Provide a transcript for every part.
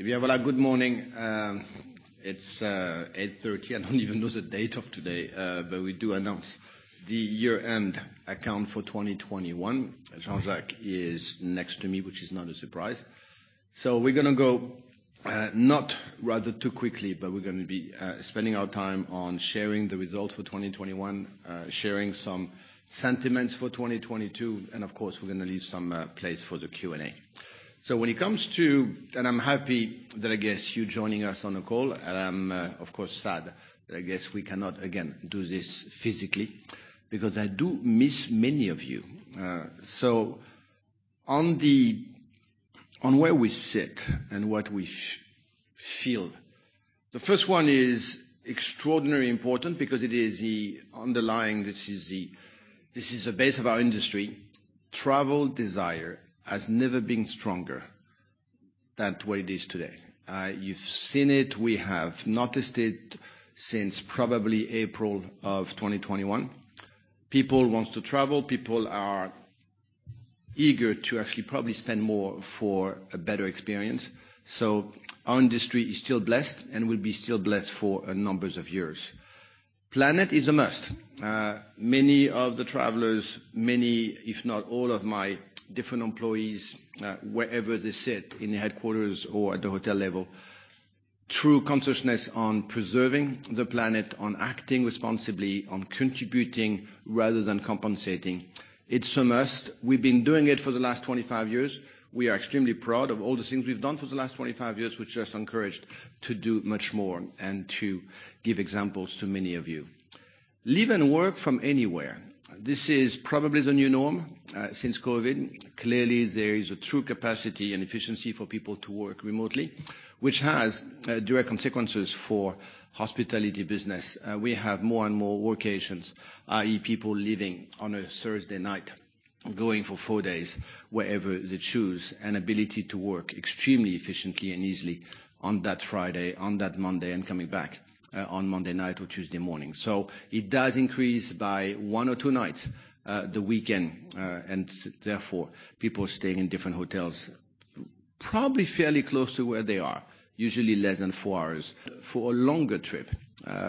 Yeah, well, good morning. It's 8:30 A.M. I don't even know the date of today, but we do announce the year-end account for 2021. Jean-Jacques is next to me, which is not a surprise. So we're going to go not rather too quickly, but we're going to be spending our time on sharing the results for 2021, sharing some sentiments for 2022, and of course, we're going to leave some place for the Q&A. So when it comes to - and I'm happy that I guess you're joining us on the call - and I'm, of course, sad that I guess we cannot, again, do this physically because I do miss many of you. So on where we sit and what we feel, the first one is extraordinarily important because it is the underlying - this is the base of our industry. Travel desire has never been stronger than what it is today. You've seen it. We have noticed it since probably April of 2021. People want to travel. People are eager to actually probably spend more for a better experience. So our industry is still blessed and will be still blessed for a number of years. Planet is a must. Many of the travelers, many, if not all, of my different employees, wherever they sit, in the headquarters or at the hotel level, true consciousness on preserving the planet, on acting responsibly, on contributing rather than compensating. It's a must. We've been doing it for the last 25 years. We are extremely proud of all the things we've done for the last 25 years, which just encouraged to do much more and to give examples to many of you. Live and work from anywhere. This is probably the new norm since COVID. Clearly, there is a true capacity and efficiency for people to work remotely, which has direct consequences for hospitality business. We have more and more workations, i.e., people leaving on a Thursday night, going for four days wherever they choose, an ability to work extremely efficiently and easily on that Friday, on that Monday, and coming back on Monday night or Tuesday morning. So it does increase by one or two nights the weekend, and therefore, people staying in different hotels probably fairly close to where they are, usually less than four hours. For a longer trip,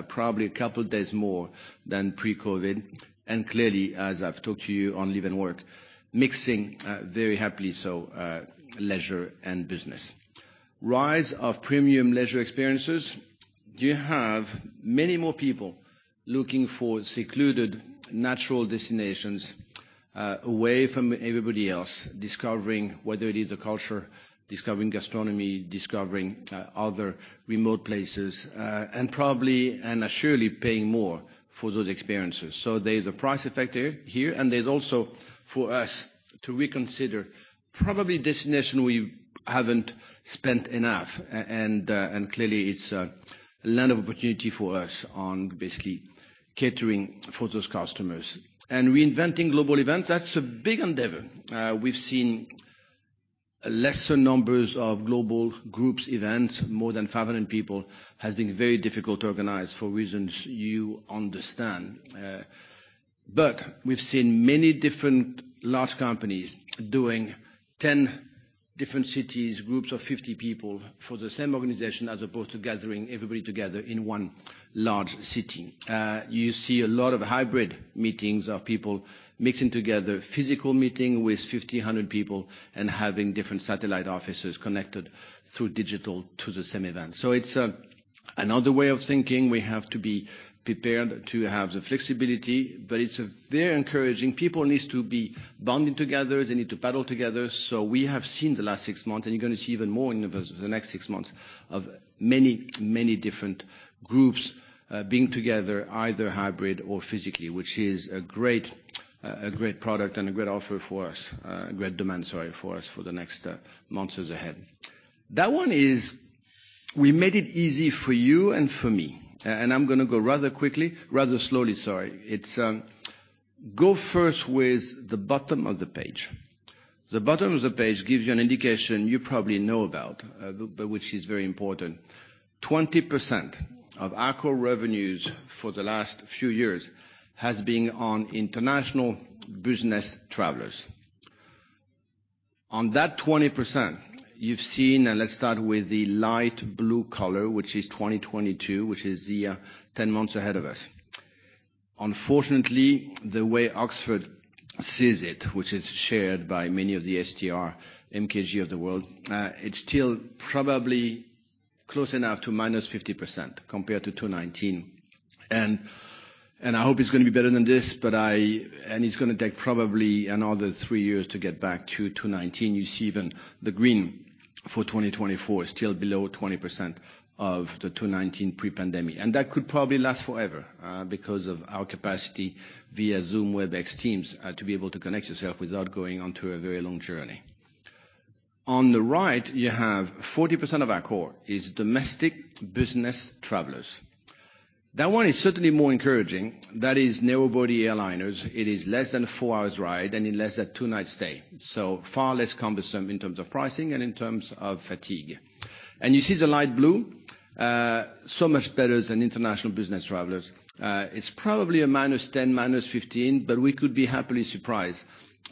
probably a couple of days more than pre-COVID. And clearly, as I've talked to you on live and work, mixing very happily so leisure and business. Rise of premium leisure experiences. You have many more people looking for secluded, natural destinations away from everybody else, discovering whether it is a culture, discovering gastronomy, discovering other remote places, and probably and surely paying more for those experiences, so there's a price effect here, and there's also for us to reconsider probably destination we haven't spent enough, and clearly, it's a land of opportunity for us on basically catering for those customers and reinventing global events. That's a big endeavor. We've seen lesser numbers of global groups events. More than 500 people has been very difficult to organize for reasons you understand, but we've seen many different large companies doing 10 different cities, groups of 50 people for the same organization as opposed to gathering everybody together in one large city. You see a lot of hybrid meetings of people mixing together, physical meeting with 50, 100 people, and having different satellite offices connected through digital to the same event. It's another way of thinking. We have to be prepared to have the flexibility, but it's very encouraging. People need to be bonding together. They need to paddle together. We have seen the last six months, and you're going to see even more in the next six months of many, many different groups being together, either hybrid or physically, which is a great product and a great offer for us, a great demand, sorry, for us for the next months ahead. That one is we made it easy for you and for me. I'm going to go rather quickly, rather slowly, sorry. Go first with the bottom of the page. The bottom of the page gives you an indication you probably know about, but which is very important. 20% of our core revenues for the last few years has been on international business travelers. On that 20%, you've seen, and let's start with the light blue color, which is 2022, which is the 10 months ahead of us. Unfortunately, the way Oxford sees it, which is shared by many of the STR, MKG of the world, it's still probably close enough to -50% compared to 2019. I hope it's going to be better than this, and it's going to take probably another three years to get back to 2019. You see even the green for 2024 is still below 20% of the 2019 pre-pandemic. And that could probably last forever because of our capacity via Zoom, Webex, Teams to be able to connect yourself without going onto a very long journey. On the right, you have 40% of our core is domestic business travelers. That one is certainly more encouraging. That is nearby airliners. It is less than a four-hour ride and in less than two-night stay. So far less cumbersome in terms of pricing and in terms of fatigue. And you see the light blue, so much better than international business travelers. It's probably a minus 10%, minus 15%, but we could be happily surprised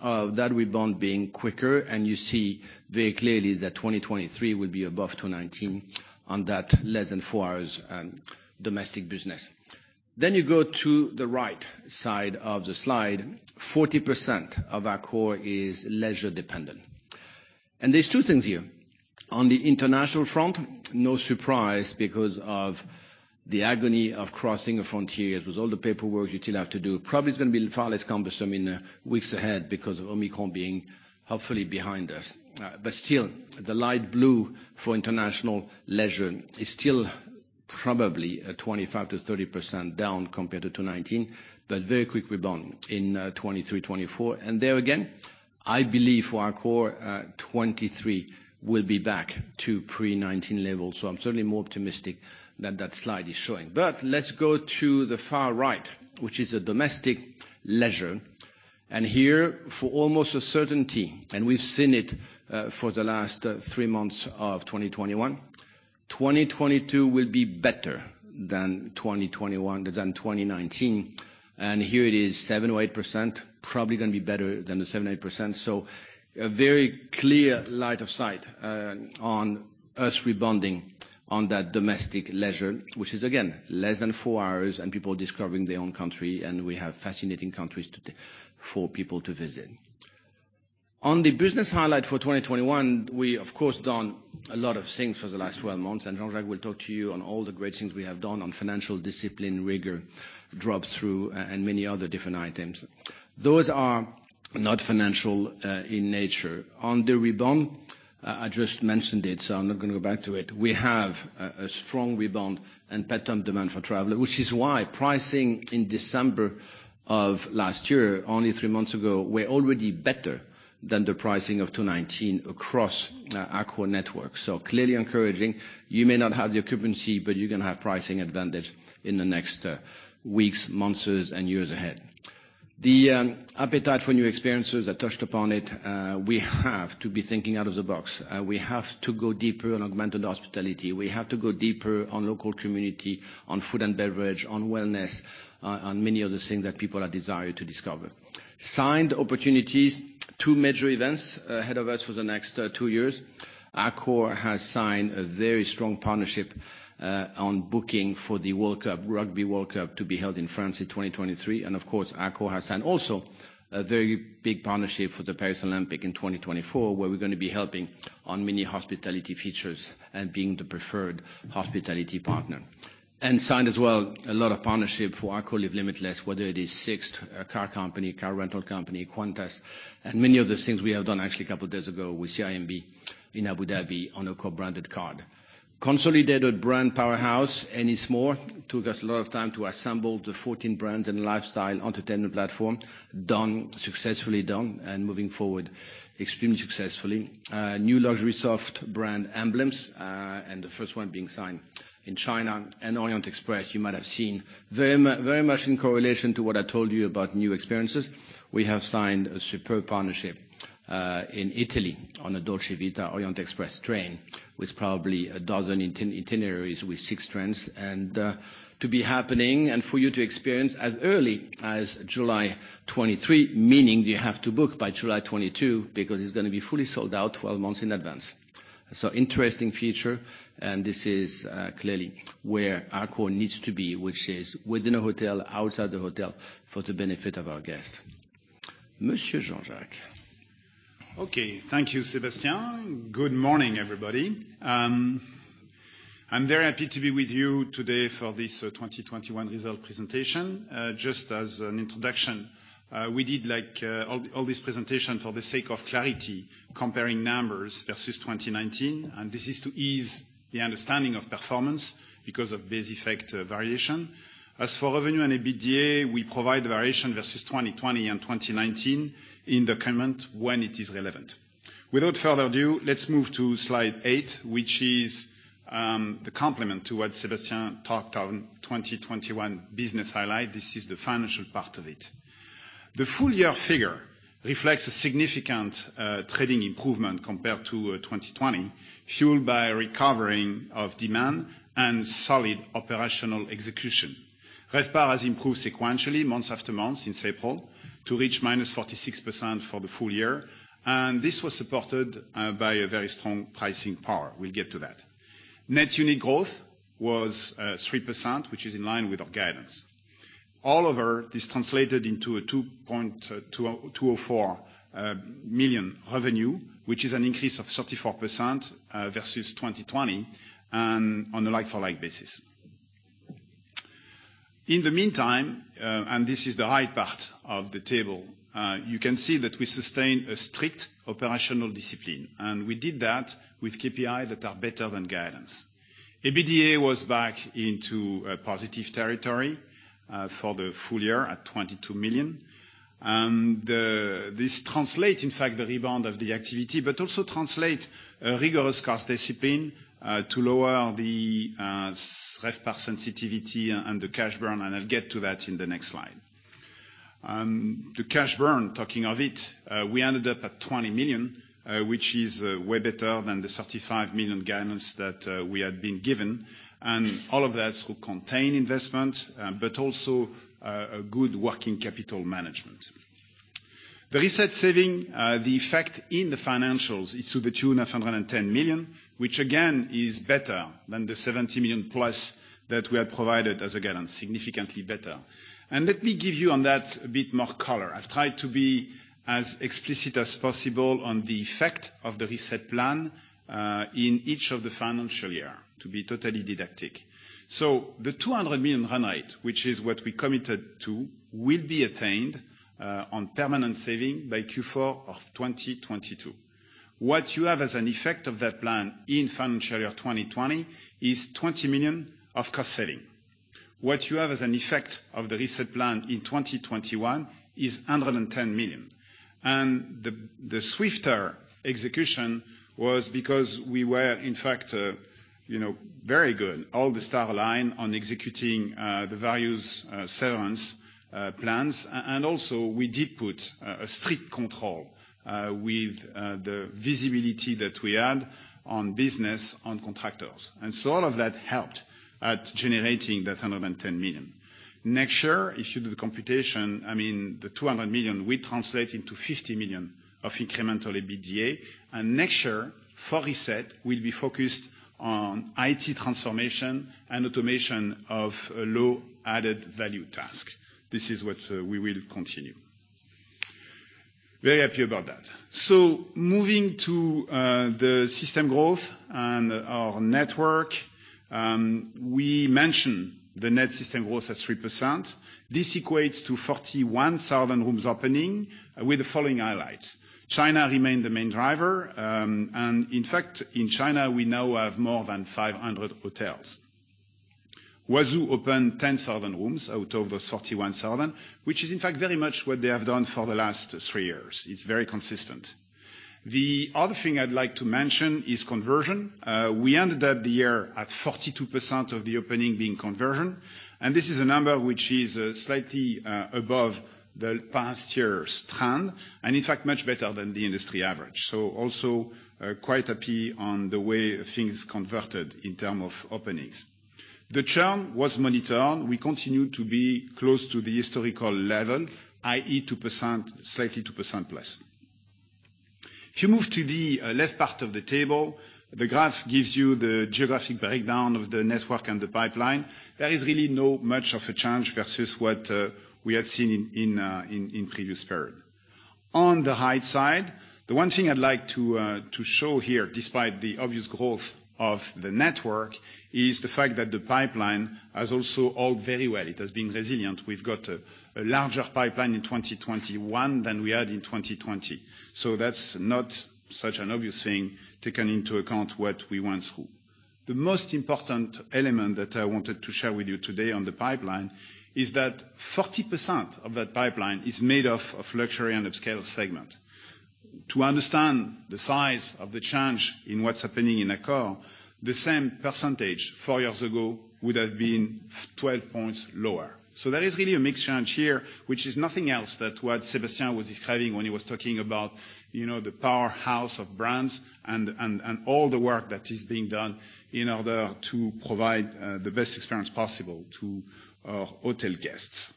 of that rebound being quicker. And you see very clearly that 2023 will be above 219 on that less than four-hours domestic business. Then you go to the right side of the slide, 40% of our core is leisure dependent. And there's two things here. On the international front, no surprise because of the agony of crossing a frontier with all the paperwork you still have to do. Probably it's going to be far less cumbersome in the weeks ahead because of Omicron being hopefully behind us. But still, the light blue for international leisure is still probably 25%-30% down compared to 2019, but very quick rebound in 2023, 2024. And there again, I believe for our core, 2023 will be back to pre-2019 levels. So I'm certainly more optimistic than that slide is showing. But let's go to the far right, which is a domestic leisure. And here, for almost a certainty, and we've seen it for the last three months of 2021, 2022 will be better than 2021 than 2019. And here it is, 7% or 8%, probably going to be better than the 7%-8%. So a very clear line of sight on us rebounding on that domestic leisure, which is again less than four hours and people discovering their own country. And we have fascinating countries for people to visit. On the business highlights for 2021, we, of course, done a lot of things for the last 12 months. And Jean-Jacques will talk to you on all the great things we have done on financial discipline, rigor, drop-through, and many other different items. Those are not financial in nature. On the rebound, I just mentioned it, so I'm not going to go back to it. We have a strong rebound and pent-up demand for travelers, which is why pricing in December of last year, only three months ago, were already better than the pricing of 2019 across our core network. So clearly encouraging. You may not have the occupancy, but you're going to have pricing advantage in the next weeks, months, and years ahead. The appetite for new experiences, I touched upon it. We have to be thinking out of the box. We have to go deeper on augmented hospitality. We have to go deeper on local community, on food and beverage, on wellness, on many of the things that people are desiring to discover. Significant opportunities, two major events ahead of us for the next two years. Accor has signed a very strong partnership on booking for the Rugby World Cup, to be held in France in 2023. And of course, Accor has signed also a very big partnership for the Paris Olympics in 2024, where we're going to be helping on many hospitality features and being the preferred hospitality partner. Signed as well a lot of partnership for our ALL Live Limitless, whether it is Sixt, a car company, car rental company, Qantas, and many of the things we have done actually a couple of days ago with CIMB in Abu Dhabi on a co-branded card. Consolidated brand powerhouse, Ennismore, took us a lot of time to assemble the 14 brands and lifestyle entertainment platform, successfully done and moving forward extremely successfully. New luxury soft brand Emblems, and the first one being signed in China and Orient Express, you might have seen, very much in correlation to what I told you about new experiences. We have signed a superb partnership in Italy on a Dolce Vita Orient Express train with probably a dozen itineraries with six trains, and to be happening and for you to experience as early as July 2023, meaning you have to book by July 2022 because it's going to be fully sold out 12 months in advance. Interesting feature, and this is clearly where our core needs to be, which is within a hotel, outside the hotel for the benefit of our guests. Monsieur Jean-Jacques. Okay. Thank you, Sébastien. Good morning, everybody. I'm very happy to be with you today for this 2021 results presentation. Just as an introduction, we did all this presentation for the sake of clarity, comparing numbers versus 2019. And this is to ease the understanding of performance because of base effect variation. As for revenue and EBITDA, we provide variation versus 2020 and 2019 in the comment when it is relevant. Without further ado, let's move to slide 8, which is the complement to what Sébastien talked on 2021 business highlight. This is the financial part of it. The full year figure reflects a significant trading improvement compared to 2020, fueled by a recovering of demand and solid operational execution. RevPAR has improved sequentially month after month since April to reach -46% for the full year. And this was supported by a very strong pricing power. We'll get to that. Net unit growth was 3%, which is in line with our guidance. All of this translated into 2.204 million revenue, which is an increase of 34% versus 2020 on a like-for-like basis. In the meantime, and this is the right part of the table, you can see that we sustained a strict operational discipline, and we did that with KPIs that are better than guidance. EBITDA was back into positive territory for the full year at 22 million, and this translates, in fact, the rebound of the activity, but also translates rigorous cost discipline to lower the RevPAR sensitivity and the cash burn, and I'll get to that in the next slide. The cash burn, talking of it, we ended up at 20 million, which is way better than the 35 million guidance that we had been given. All of that is to contain investment, but also good working capital management. The Reset savings effect in the financials is to the tune of 110 million, which again is better than the 70 million plus that we had provided as guidance, significantly better. Let me give you on that a bit more color. I've tried to be as explicit as possible on the effect of the Reset Plan in each of the financial years to be totally didactic. The 200 million run rate, which is what we committed to, will be attained on permanent savings by Q4 of 2022. What you have as an effect of that plan in financial year 2020 is 20 million of cost savings. What you have as an effect of the Reset Plan in 2021 is 110 million. The swifter execution was because we were, in fact, very good, all-star lineup on executing the various severance plans. We also did put a strict control with the visibility that we had on business, on contractors. All of that helped in generating that 110 million. Next year, if you do the computation, I mean, the 200 million will translate into 50 million of incremental EBITDA. Next year, for reset, we'll be focused on IT transformation and automation of low-added value tasks. This is what we will continue. Very happy about that. Moving to the unit growth and our network, we mentioned the net unit growth at 3%. This equates to 41,000 rooms opening with the following highlights. China remained the main driver. In fact, in China, we now have more than 500 hotels. Huazhu opened 10,000 rooms out of those 41,000, which is in fact very much what they have done for the last three years. It's very consistent. The other thing I'd like to mention is conversion. We ended up the year at 42% of the opening being conversion. And this is a number which is slightly above the past year's trend and in fact, much better than the industry average. So also quite happy on the way things converted in terms of openings. The churn was monitored. We continued to be close to the historical level, i.e., 2%, slightly 2% plus. If you move to the left part of the table, the graph gives you the geographic breakdown of the network and the pipeline. There is really not much of a change versus what we had seen in previous period. On the right side, the one thing I'd like to show here, despite the obvious growth of the network, is the fact that the pipeline has also held very well. It has been resilient. We've got a larger pipeline in 2021 than we had in 2020. So that's not such an obvious thing taken into account what we went through. The most important element that I wanted to share with you today on the pipeline is that 40% of that pipeline is made up of luxury and upscale segment. To understand the size of the change in what's happening in our core, the same percentage four years ago would have been 12 points lower. So there is really a mixed change here, which is nothing else than what Sébastien was describing when he was talking about the powerhouse of brands and all the work that is being done in order to provide the best experience possible to our hotel guests.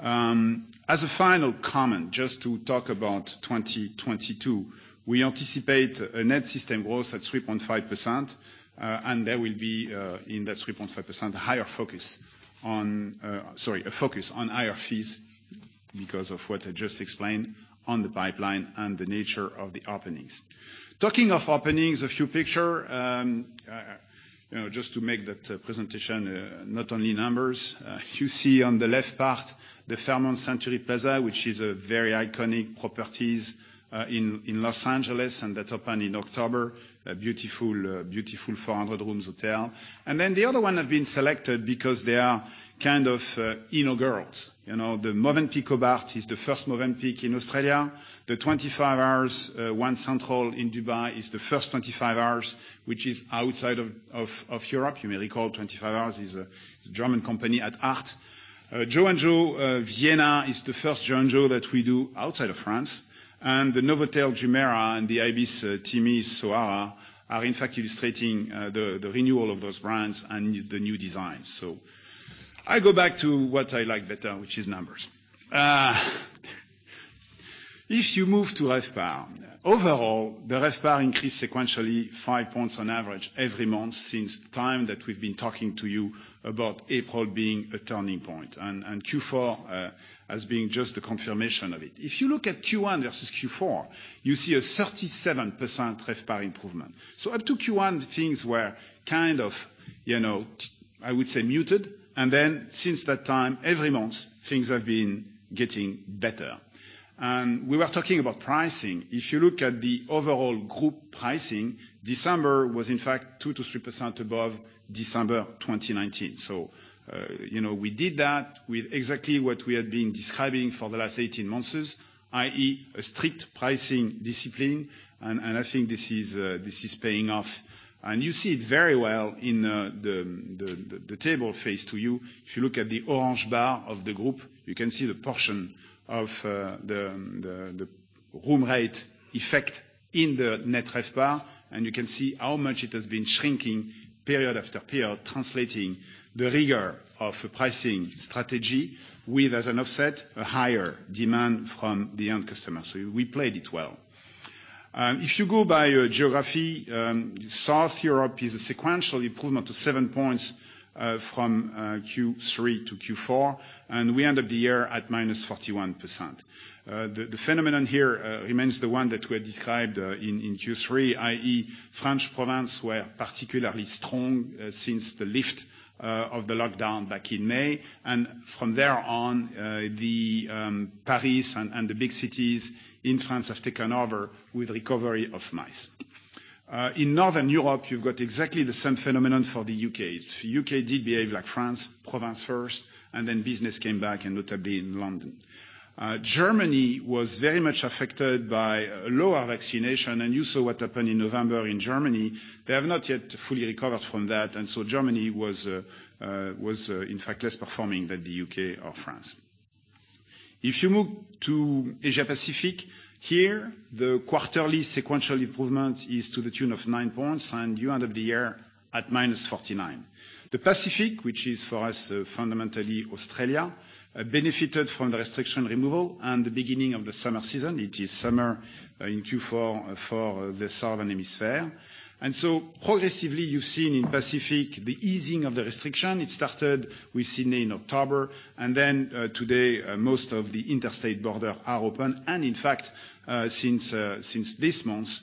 As a final comment, just to talk about 2022, we anticipate a net system growth at 3.5%, and there will be in that 3.5% a higher focus on, sorry, a focus on higher fees because of what I just explained on the pipeline and the nature of the openings. Talking of openings, a few pictures, just to make that presentation not only numbers. You see on the left part the Fairmont Century Plaza, which is a very iconic properties in Los Angeles and that opened in October, a beautiful 400-room hotel. Then the other one has been selected because they are kind of inaugurals. The Mövenpick Hobart is the first Mövenpick in Australia. The 25hours One Central in Dubai is the first 25hours, which is outside of Europe. You may recall 25hours is a German company at heart. Jo&Joe Vienna is the first Jo&Joe that we do outside of France. And the Novotel Jumeirah and the Ibis Timisoara are in fact illustrating the renewal of those brands and the new designs. I go back to what I like better, which is numbers. If you move to RevPAR, overall, the RevPAR increased sequentially five points on average every month since the time that we've been talking to you about April being a turning point and Q4 as being just the confirmation of it. If you look at Q1 versus Q4, you see a 37% RevPAR improvement. Up to Q1, things were kind of, I would say, muted. And then since that time, every month, things have been getting better. And we were talking about pricing. If you look at the overall group pricing, December was in fact 2%-3% above December 2019. So we did that with exactly what we had been describing for the last 18 months, i.e., a strict pricing discipline. And I think this is paying off. And you see it very well in the table facing you. If you look at the orange bar of the group, you can see the portion of the room rate effect in the net RevPAR. And you can see how much it has been shrinking period after period, translating the rigor of a pricing strategy with, as an offset, a higher demand from the end customer. So we played it well. If you go by geography, Southern Europe is a sequential improvement of 7 points from Q3 to Q4. And we end up the year at minus 41%. The phenomenon here remains the one that we had described in Q3, i.e., French provinces were particularly strong since the lift of the lockdown back in May. And from there on, Paris and the big cities in France have taken over with recovery of MICE. In Northern Europe, you've got exactly the same phenomenon for the U.K. The U.K. did behave like France, province first, and then business came back, and notably in London. Germany was very much affected by lower vaccination. And you saw what happened in November in Germany. They have not yet fully recovered from that. And so Germany was in fact less performing than the U.K. or France. If you move to Asia-Pacific, here, the quarterly sequential improvement is to the tune of 9 points, and you end up the year at minus 49. The Pacific, which is for us fundamentally Australia, benefited from the restriction removal and the beginning of the summer season. It is summer in Q4 for the southern hemisphere, and so progressively, you've seen in Pacific the easing of the restriction. It started with Sydney in October, and then today, most of the interstate borders are open. In fact, since this month,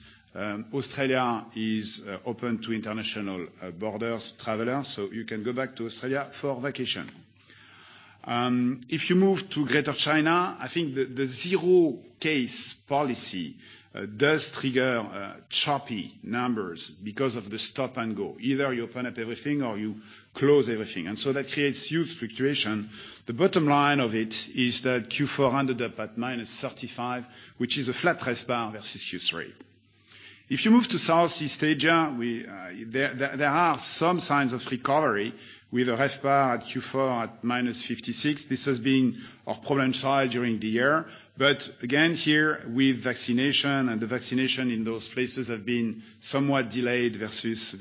Australia is open to international borders, travelers, so you can go back to Australia for vacation. If you move to Greater China, I think the zero-case policy does trigger choppy numbers because of the stop and go. Either you open up everything or you close everything, and so that creates huge fluctuation. The bottom line of it is that Q4 ended up at -35%, which is a flat RevPAR versus Q3. If you move to Southeast Asia, there are some signs of recovery with a RevPAR at Q4 at -56%. This has been our problem side during the year. But again, here with vaccination, and the vaccination in those places has been somewhat delayed versus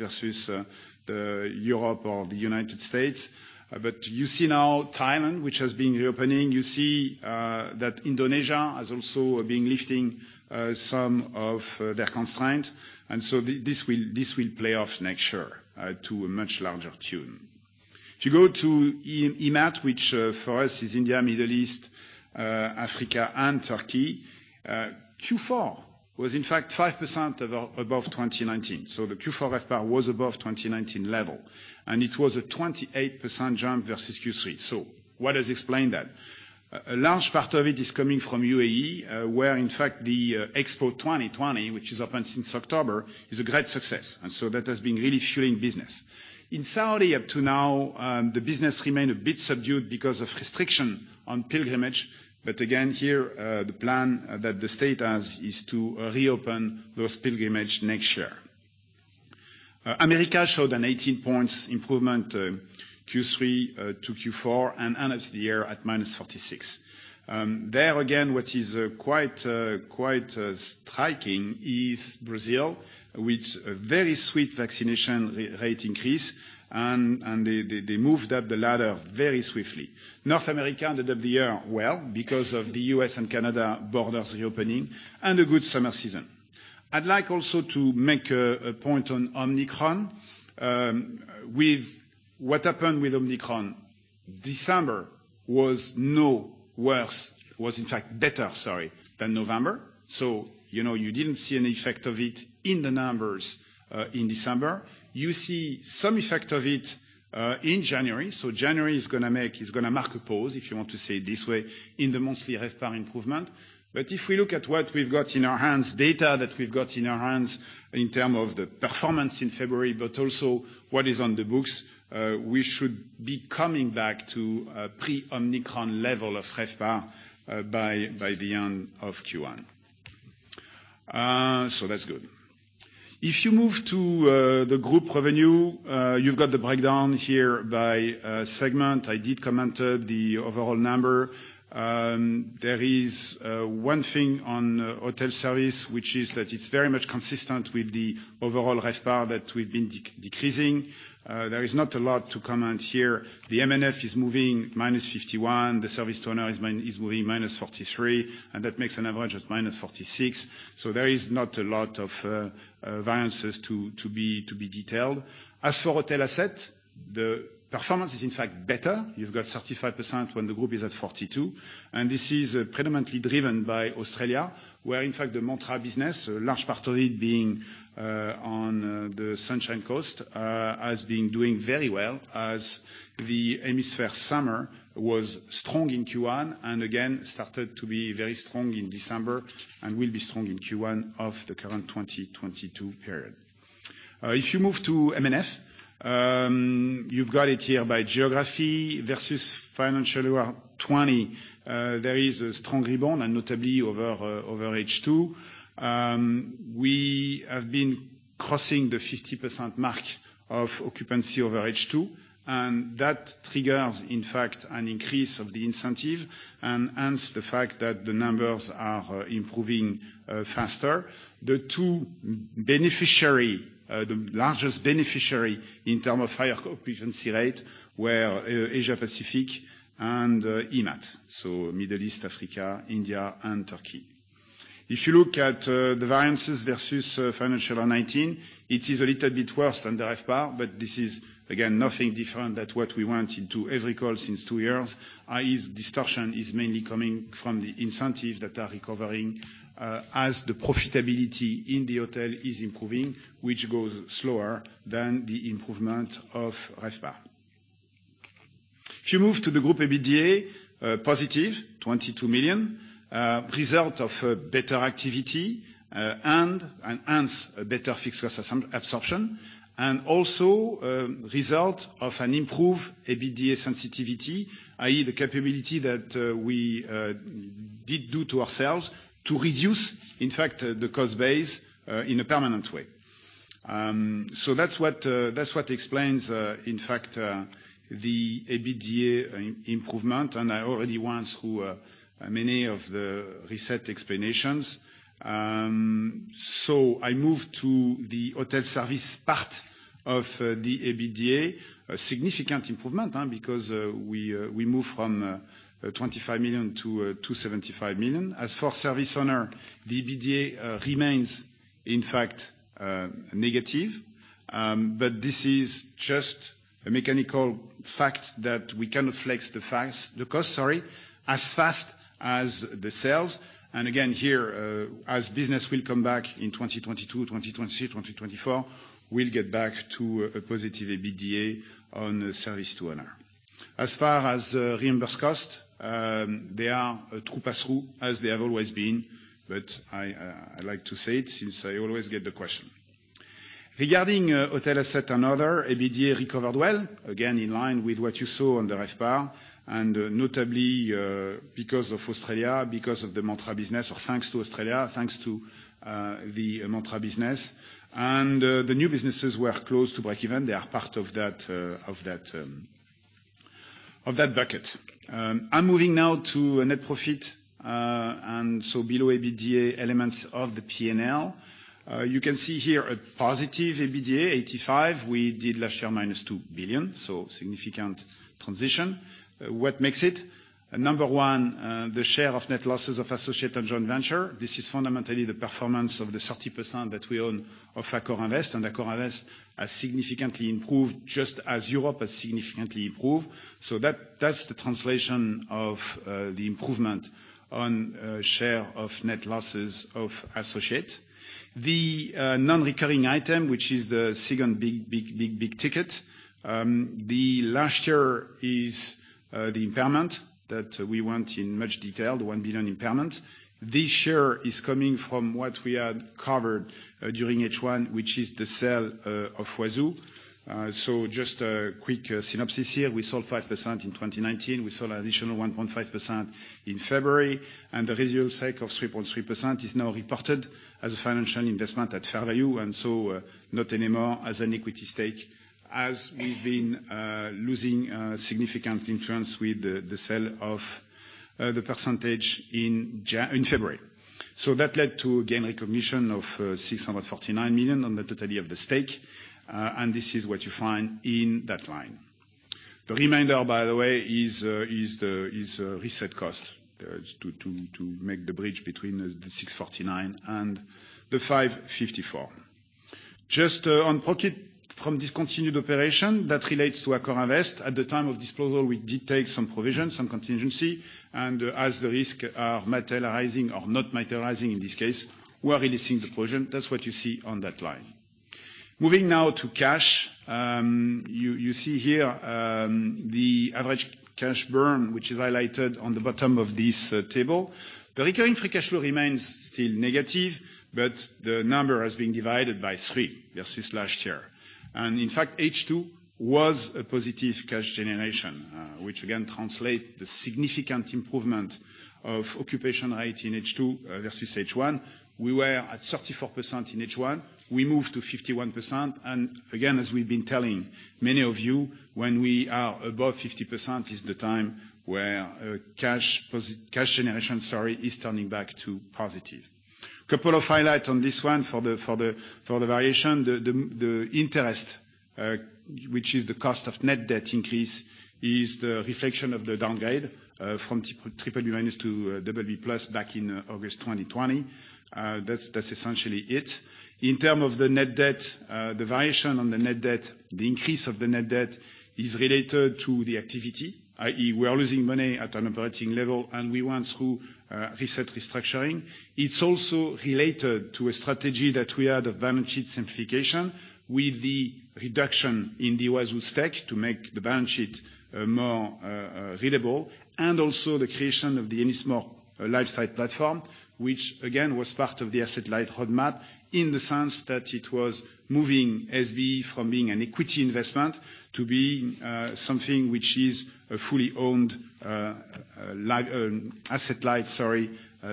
Europe or the United States. But you see now Thailand, which has been reopening. You see that Indonesia has also been lifting some of their constraints. And so this will play off next year to a much larger tune. If you go to EMAT, which for us is India, Middle East, Africa, and Turkey, Q4 was in fact 5% above 2019. So the Q4 RevPAR was above 2019 level. And it was a 28% jump versus Q3. So what has explained that? A large part of it is coming from UAE, where in fact the Expo 2020, which is open since October, is a great success. And so that has been really fueling business. In Saudi, up to now, the business remained a bit subdued because of restriction on pilgrimage. And again, here, the plan that the state has is to reopen those pilgrimages next year. America showed an 18-point improvement Q3 to Q4 and ended the year at minus 46. There, again, what is quite striking is Brazil with a very swift vaccination rate increase. And they moved up the ladder very swiftly. North America ended up the year well because of the US and Canada borders reopening and a good summer season. I'd like also to make a point on Omicron. With what happened with Omicron, December was no worse, was in fact better, sorry, than November. So you didn't see any effect of it in the numbers in December. You see some effect of it in January. January is going to mark a pause, if you want to say it this way, in the monthly RevPAR improvement. But if we look at what we've got in our hands, data that we've got in our hands in terms of the performance in February, but also what is on the books, we should be coming back to a pre-Omicron level of RevPAR by the end of Q1. That's good. If you move to the group revenue, you've got the breakdown here by segment. I did comment on the overall number. There is one thing on hotel service, which is that it's very much consistent with the overall RevPAR that we've been decreasing. There is not a lot to comment here. The M&F is moving -51%. The STO is moving -43%. And that makes an average of -46%. So there is not a lot of variances to be detailed. As for hotel assets, the performance is in fact better. You've got 35% when the group is at 42%. And this is predominantly driven by Australia, where in fact the Mantra business, a large part of it being on the Sunshine Coast, has been doing very well as the hemisphere summer was strong in Q1 and again started to be very strong in December and will be strong in Q1 of the current 2022 period. If you move to M&F, you've got it here by geography versus financial year 2020. There is a strong rebound, and notably over H2. We have been crossing the 50% mark of occupancy over H2. That triggers in fact an increase of the incentive and hence the fact that the numbers are improving faster. The two beneficiaries, the largest beneficiary in terms of higher occupancy rate, were Asia-Pacific and EMAT: Middle East, Africa, India, and Turkey. If you look at the variances versus financial year 2019, it is a little bit worse than the RevPAR, but this is, again, nothing different than what we went into every call since two years. The distortion is mainly coming from the incentive that are recovering as the profitability in the hotel is improving, which goes slower than the improvement of RevPAR. If you move to the group EBITDA: positive 22 million, result of better activity and hence a better fixed cost absorption. And also result of an improved EBITDA sensitivity, i.e., the capability that we did do to ourselves to reduce, in fact, the cost base in a permanent way. So that's what explains, in fact, the EBITDA improvement. And I already went through many of the reset explanations. So I move to the hotel service part of the EBITDA, a significant improvement because we move from 25 million to 275 million. As for service to owner, the EBITDA remains in fact negative. But this is just a mechanical fact that we cannot flex the cost, sorry, as fast as the sales. And again, here, as business will come back in 2022, 2023, 2024, we'll get back to a positive EBITDA on service to owner. As far as reimbursed costs, they are true pass-through as they have always been. But I like to say it since I always get the question. Regarding hotel asset and other, EBITDA recovered well, again, in line with what you saw on the RevPAR. Notably because of Australia, because of the Mantra business, or thanks to Australia, thanks to the Mantra business. The new businesses were closed to breakeven. They are part of that bucket. I'm moving now to net profit. Below EBITDA elements of the P&L, you can see here a positive EBITDA, 85. We did last year minus 2 billion. Significant transition. What makes it? Number one, the share of net losses of associates and joint ventures. This is fundamentally the performance of the 30% that we own of AccorInvest. AccorInvest has significantly improved just as Europe has significantly improved. That's the translation of the improvement on share of net losses of associates. The non-recurring item, which is the second big, big, big, big ticket last year, is the impairment that we went in much detail, the 1 billion impairment. This year is coming from what we had covered during H1, which is the sale of Huazhu, so just a quick synopsis here. We sold 5% in 2019. We sold an additional 1.5% in February, and the residual stake of 3.3% is now reported as a financial investment at fair value, and so not anymore as an equity stake as we've been losing significant influence with the sale of the percentage in February, so that led to, again, recognition of 649 million on the totality of the stake, and this is what you find in that line. The remainder, by the way, is reset cost to make the bridge between the 649 million and the 554 million. Just on profit from discontinued operation that relates to AccorInvest. At the time of disposal, we did take some provisions, some contingency. And as the risks are materializing or not materializing in this case, we're releasing the provision. That's what you see on that line. Moving now to cash. You see here the average cash burn, which is highlighted on the bottom of this table. The recurring free cash flow remains still negative, but the number has been divided by 3 versus last year. And in fact, H2 was a positive cash generation, which again translates the significant improvement of occupancy rate in H2 versus H1. We were at 34% in H1. We moved to 51%. And again, as we've been telling many of you, when we are above 50% is the time where cash generation, sorry, is turning back to positive. couple of highlights on this one for the variation. The interest, which is the cost of net debt increase, is the reflection of the downgrade from triple B minus to double B plus back in August 2020. That's essentially it. In terms of the net debt, the variation on the net debt, the increase of the net debt is related to the activity, i.e., we are losing money at an operating level, and we went through reset restructuring. It's also related to a strategy that we had of balance sheet simplification with the reduction in the Huazhu stake to make the balance sheet more readable. And also the creation of the Ennismore Lifestyle Platform, which again was part of the asset light roadmap in the sense that it was moving SB from being an equity investment to being something which is a fully owned asset light, sorry,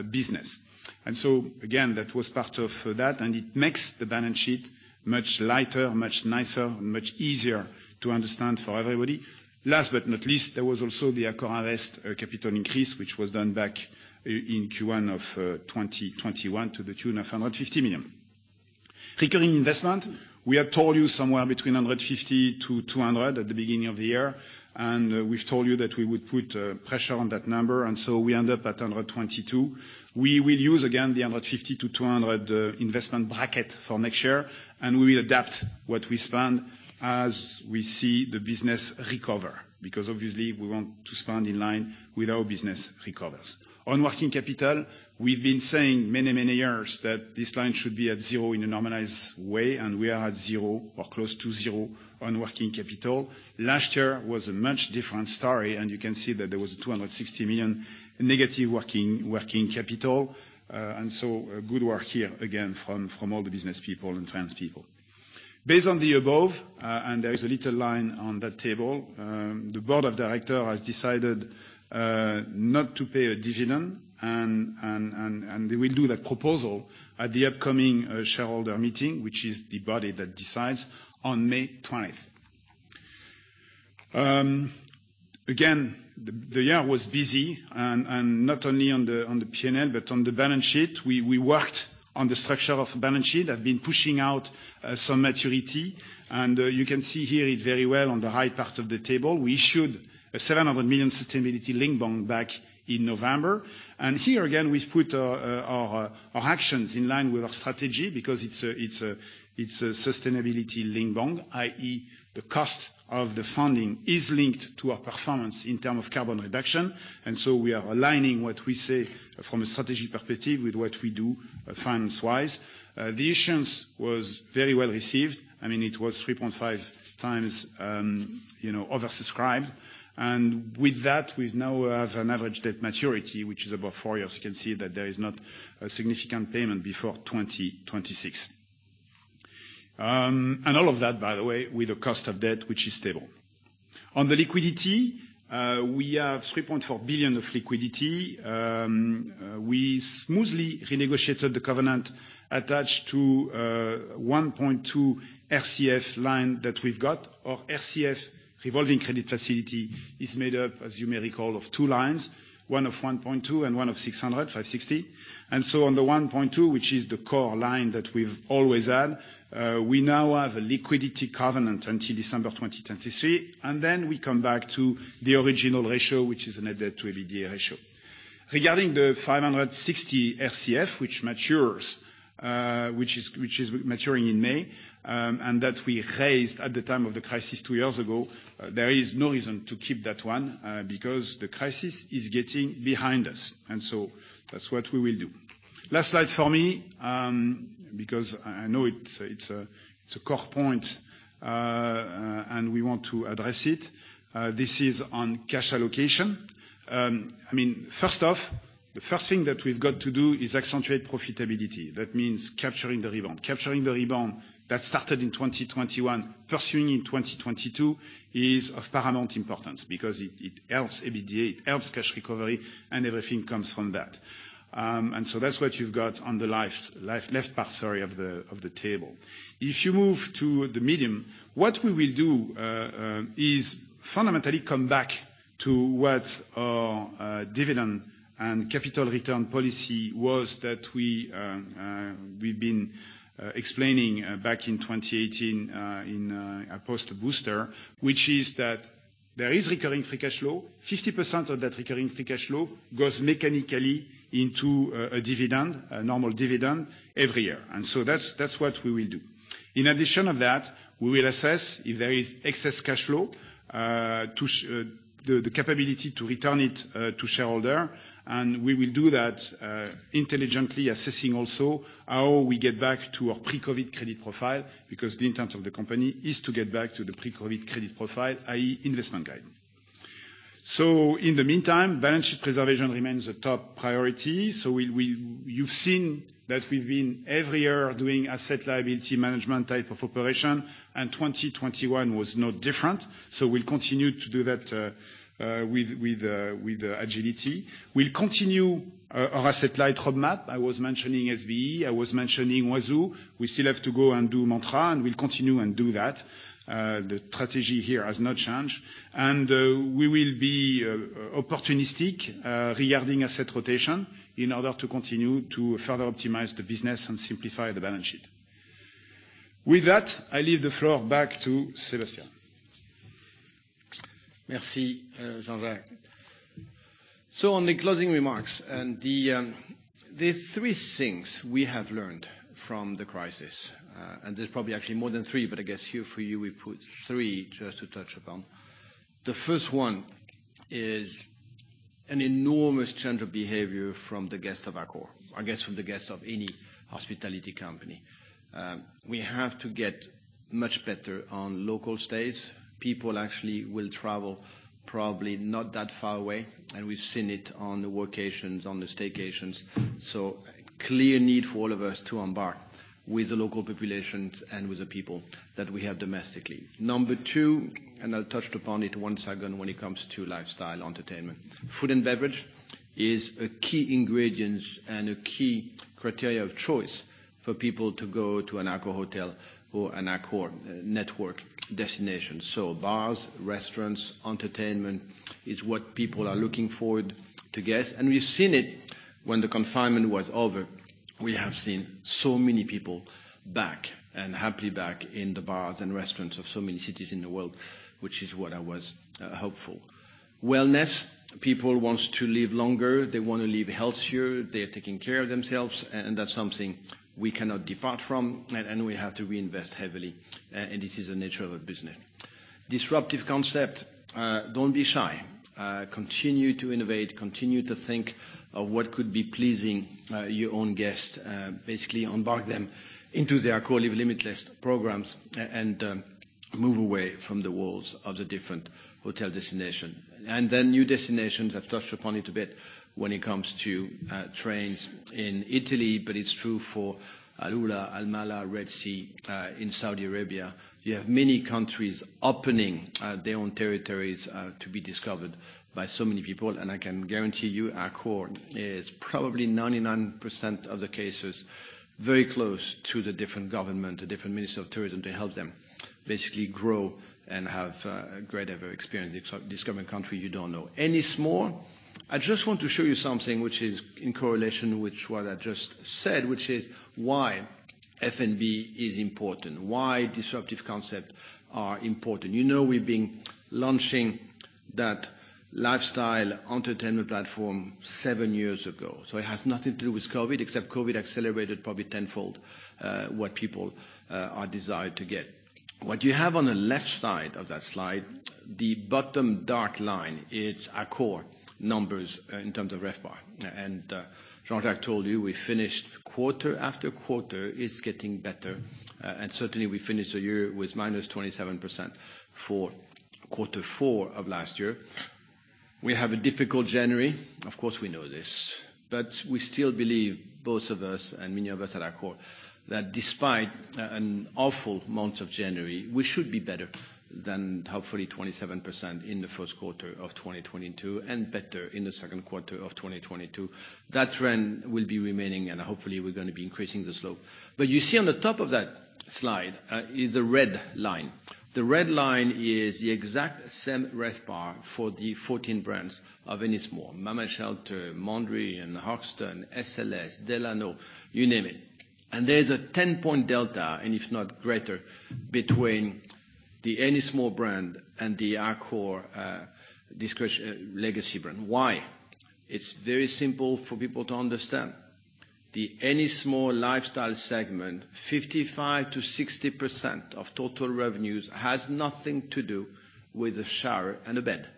business. And so again, that was part of that. And it makes the balance sheet much lighter, much nicer, and much easier to understand for everybody. Last but not least, there was also the AccorInvest capital increase, which was done back in Q1 of 2021 to the tune of 150 million. Recurring investment, we had told you somewhere between 150 million to 200 million at the beginning of the year. And we've told you that we would put pressure on that number. And so we end up at 122 million. We will use, again, the 150 million to 200 million investment bracket for next year. And we will adapt what we spend as we see the business recover because obviously we want to spend in line with our business recovers. On working capital, we've been saying many, many years that this line should be at zero in a normalized way. And we are at zero or close to zero on working capital. Last year was a much different story. And you can see that there was a 260 million negative working capital. And so good work here again from all the business people and finance people. Based on the above, and there is a little line on that table, the board of directors has decided not to pay a dividend. And they will do that proposal at the upcoming shareholder meeting, which is the body that decides on May 20th. Again, the year was busy. And not only on the P&L, but on the balance sheet, we worked on the structure of the balance sheet. I've been pushing out some maturity. And you can see here it very well on the right part of the table. We issued a 700 million sustainability-linked bond back in November. Here, again, we've put our actions in line with our strategy because it's a sustainability-linked bond, i.e., the cost of the funding is linked to our performance in terms of carbon reduction. And so we are aligning what we say from a strategy perspective with what we do finance-wise. The issuance was very well received. I mean, it was 3.5 times oversubscribed. And with that, we now have an average debt maturity, which is about four years. You can see that there is not a significant payment before 2026. And all of that, by the way, with a cost of debt, which is stable. On the liquidity, we have 3.4 billion of liquidity. We smoothly renegotiated the covenant attached to 1.2 RCF line that we've got, or RCF revolving credit facility is made up, as you may recall, of two lines, one of 1.2 and one of 600, 560. And so on the 1.2, which is the core line that we've always had, we now have a liquidity covenant until December 2023. And then we come back to the original ratio, which is a net debt to EBITDA ratio. Regarding the 560 RCF, which matures, which is maturing in May, and that we raised at the time of the crisis two years ago, there is no reason to keep that one because the crisis is getting behind us. And so that's what we will do. Last slide for me because I know it's a core point and we want to address it. This is on cash allocation. I mean, first off, the first thing that we've got to do is accentuate profitability. That means capturing the rebound. Capturing the rebound that started in 2021, pursuing in 2022 is of paramount importance because it helps EBITDA, it helps cash recovery, and everything comes from that. And so that's what you've got on the left part, sorry, of the table. If you move to the medium term, what we will do is fundamentally come back to what our dividend and capital return policy was that we've been explaining back in 2018 in a Post-Booster, which is that there is recurring free cash flow. 50% of that recurring free cash flow goes mechanically into a dividend, a normal dividend every year. And so that's what we will do. In addition of that, we will assess if there is excess cash flow to the capability to return it to shareholder. And we will do that intelligently, assessing also how we get back to our pre-COVID credit profile because the intent of the company is to get back to the pre-COVID credit profile, i.e., investment grade. So in the meantime, balance sheet preservation remains a top priority. So you've seen that we've been every year doing asset liability management type of operation. And 2021 was no different. So we'll continue to do that with agility. We'll continue our asset light roadmap. I was mentioning SBE. I was mentioning Huazhu. We still have to go and do Montreal. And we'll continue and do that. The strategy here has not changed. And we will be opportunistic regarding asset rotation in order to continue to further optimize the business and simplify the balance sheet. With that, I leave the floor back to Sébastien. Merci, Jean-Jacques. On the closing remarks, there are three things we have learned from the crisis. There's probably actually more than three, but I guess here for you, we put three just to touch upon. The first one is an enormous change of behavior from the guest of Accor, I guess from the guest of any hospitality company. We have to get much better on local stays. People actually will travel probably not that far away. And we've seen it on the workations, on the staycations. Clear need for all of us to embark with the local populations and with the people that we have domestically. Number two, and I'll touch upon it one second when it comes to lifestyle, entertainment. Food and beverage is a key ingredient and a key criteria of choice for people to go to an Accor hotel or an Accor network destination. So bars, restaurants, entertainment is what people are looking forward to, I guess. And we've seen it when the confinement was over. We have seen so many people back and happily back in the bars and restaurants of so many cities in the world, which is what I was hopeful. Wellness, people want to live longer. They want to live healthier. They are taking care of themselves. And that's something we cannot depart from. And we have to reinvest heavily. And this is the nature of our business. Disruptive concept, don't be shy. Continue to innovate. Continue to think of what could be pleasing your own guest. Basically, embark them into the Accor Live Limitless programs and move away from the walls of the different hotel destinations. New destinations. I've touched upon it a bit when it comes to trains in Italy, but it's true for AlUla, Amaala, Red Sea in Saudi Arabia. You have many countries opening their own territories to be discovered by so many people. I can guarantee you Accor is probably 99% of the cases very close to the different government, the different ministry of tourism to help them basically grow and have a great experience discovering a country you don't know. Ennismore. I just want to show you something which is in correlation with what I just said, which is why F&B is important, why disruptive concepts are important. You know we've been launching that lifestyle entertainment platform seven years ago. So it has nothing to do with COVID, except COVID accelerated probably tenfold what people are desired to get. What you have on the left side of that slide, the bottom dark line, it's Accor numbers in terms of RevPAR. And Jean-Jacques told you we finished quarter after quarter. It's getting better. And certainly, we finished the year with -27% for quarter four of last year. We have a difficult January. Of course, we know this. But we still believe, both of us and many of us at Accor, that despite an awful month of January, we should be better than hopefully 27% in the first quarter of 2022 and better in the second quarter of 2022. That trend will be remaining. And hopefully, we're going to be increasing the slope. But you see on the top of that slide is the red line. The red line is the exact same RevPAR for the 14 brands of Ennismore: Mama Shelter, Mondrian, and Hoxton, SLS, Delano, you name it. And there's a 10-point delta, and if not greater, between the Ennismore brand and the Accor legacy brand. Why? It's very simple for people to understand. The Ennismore lifestyle segment, 55%-60% of total revenues has nothing to do with a shower and a bed.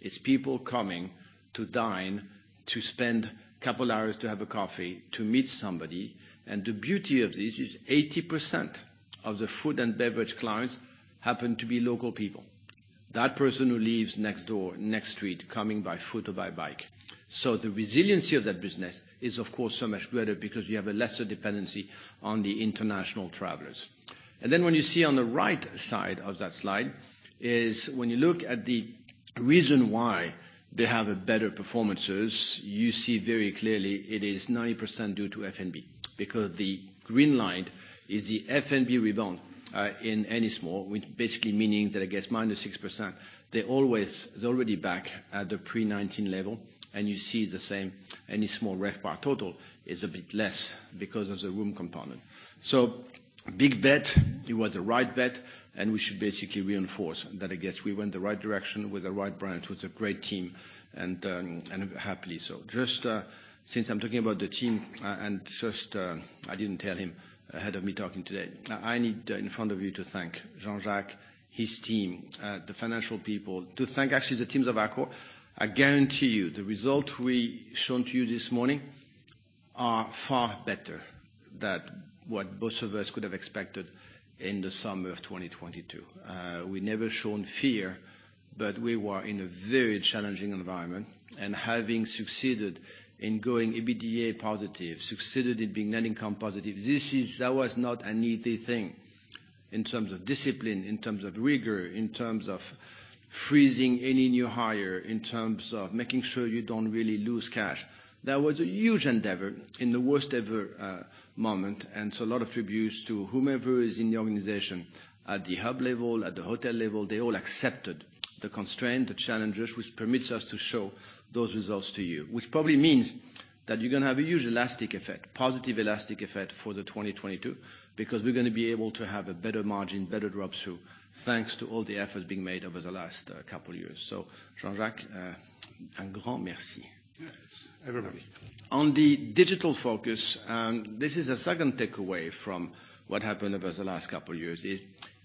It's people coming to dine to spend a couple of hours to have a coffee, to meet somebody. And the beauty of this is 80% of the food and beverage clients happen to be local people, that person who lives next door, next street, coming by foot or by bike. So the resiliency of that business is, of course, so much greater because you have a lesser dependency on the international travelers. And then what you see on the right side of that slide is when you look at the reason why they have better performances. You see very clearly it is 90% due to F&B because the green line is the F&B rebound in Ennismore, basically meaning that, I guess, -6%. They're already back at the pre-19 level. And you see the same Ennismore RevPAR total is a bit less because of the room component. So big bet. It was a right bet. And we should basically reinforce that, I guess. We went the right direction with the right brands with a great team and happily. So just since I'm talking about the team and just I didn't tell him ahead of me talking today, I need in front of you to thank Jean-Jacques, his team, the financial people, to thank actually the teams of Accor. I guarantee you the results we showed to you this morning are far better than what both of us could have expected in the summer of 2022. We never showed fear, but we were in a very challenging environment, and having succeeded in going EBITDA positive, succeeded in being net income positive, that was not an easy thing in terms of discipline, in terms of rigor, in terms of freezing any new hire, in terms of making sure you don't really lose cash. That was a huge endeavor in the worst-ever moment. And so a lot of tributes to whomever is in the organization at the hub level, at the hotel level. They all accepted the constraints, the challenges, which permits us to show those results to you, which probably means that you're going to have a huge elastic effect, positive elastic effect for 2022 because we're going to be able to have a better margin, better drop-through thanks to all the efforts being made over the last couple of years. So Jean-Jacques, a grand merci. Everybody. On the digital focus, this is a second takeaway from what happened over the last couple of years: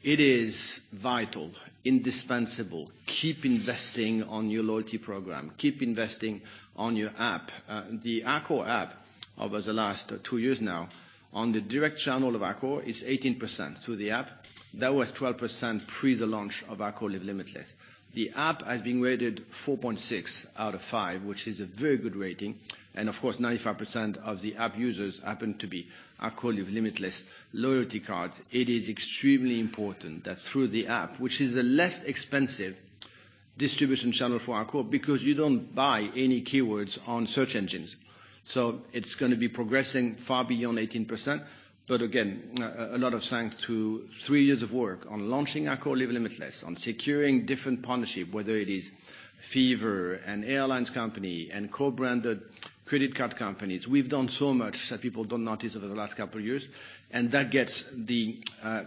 it is vital, indispensable. Keep investing on your loyalty program. Keep investing on your app. The Accor app over the last two years now, on the direct channel of Accor, is 18% through the app. That was 12% pre the launch of Accor Live Limitless. The app has been rated 4.6 out of 5, which is a very good rating. And of course, 95% of the app users happen to be Accor Live Limitless loyalty cards. It is extremely important that through the app, which is a less expensive distribution channel for Accor because you don't buy any keywords on search engines. So it's going to be progressing far beyond 18%. But again, a lot of thanks to three years of work on launching Accor Live Limitless, on securing different partnerships, whether it is Fever and airline companies and co-branded credit card companies. We've done so much that people don't notice over the last couple of years. And that gets the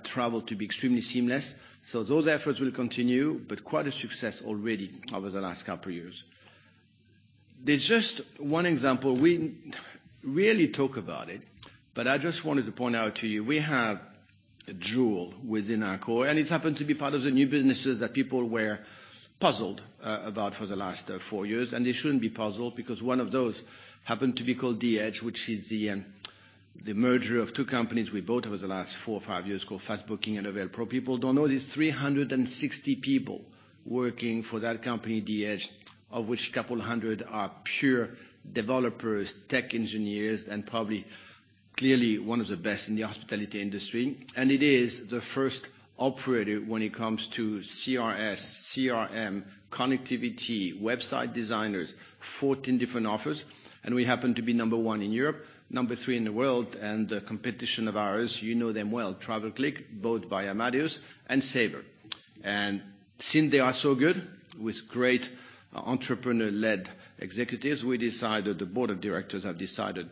travel to be extremely seamless. So those efforts will continue, but quite a success already over the last couple of years. There's just one example. We rarely talk about it, but I just wanted to point out to you we have a jewel within Accor. And it happened to be part of the new businesses that people were puzzled about for the last four years. And they shouldn't be puzzled because one of those happened to be called D-EDGE, which is the merger of two companies we bought over the last four or five years called Fastbooking and Availpro. People don't know there's 360 people working for that company, D-EDGE, of which a couple hundred are pure developers, tech engineers, and probably clearly one of the best in the hospitality industry. And it is the first operator when it comes to CRS, CRM, connectivity, website designers, 14 different offers. And we happen to be number one in Europe, number three in the world. And the competition of ours, you know them well, TravelClick, bought by Amadeus, and Sabre. And since they are so good with great entrepreneur-led executives, we decided the board of directors have decided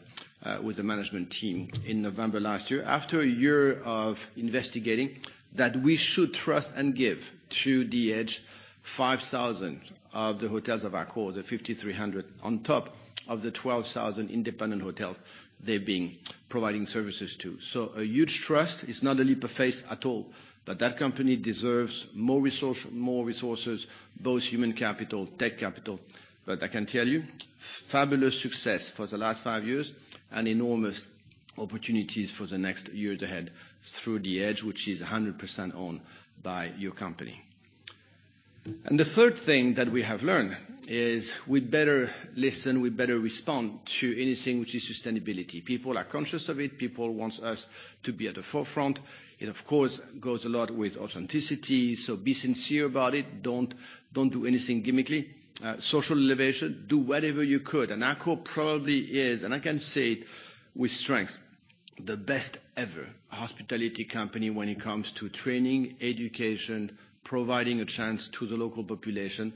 with the management team in November last year, after a year of investigating, that we should trust and give to D-EDGE 5,000 of the hotels of Accor, the 5,300 on top of the 12,000 independent hotels they're being providing services to. So a huge trust. It's not a leap of faith at all, but that company deserves more resources, both human capital, tech capital. But I can tell you fabulous success for the last five years and enormous opportunities for the next years ahead through D-EDGE, which is 100% owned by your company. And the third thing that we have learned is we better listen, we better respond to anything which is sustainability. People are conscious of it. People want us to be at the forefront. It, of course, goes a lot with authenticity, so be sincere about it. Don't do anything gimmicky. Social innovation. Do whatever you could, and Accor probably is, and I can say it with strength, the best-ever hospitality company when it comes to training, education, providing a chance to the local population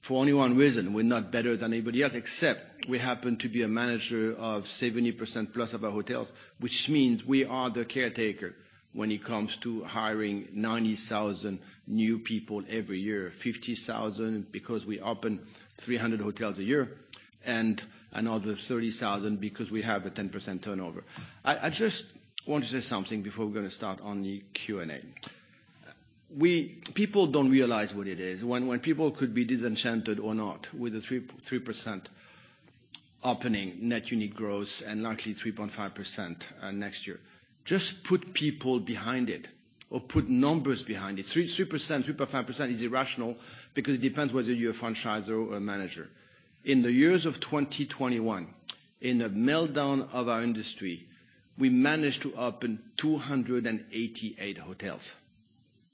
for only one reason. We're not better than anybody else, except we happen to be a manager of 70% plus of our hotels, which means we are the caretaker when it comes to hiring 90,000 new people every year, 50,000 because we open 300 hotels a year, and another 30,000 because we have a 10% turnover. I just want to say something before we're going to start on the Q&A. People don't realize what it is. When people could be disenchanted or not with the 3% opening net unit growth and likely 3.5% next year, just put people behind it or put numbers behind it. 3%, 3.5% is irrational because it depends whether you're a franchisor or a manager. In the years of 2021, in the meltdown of our industry, we managed to open 288 hotels.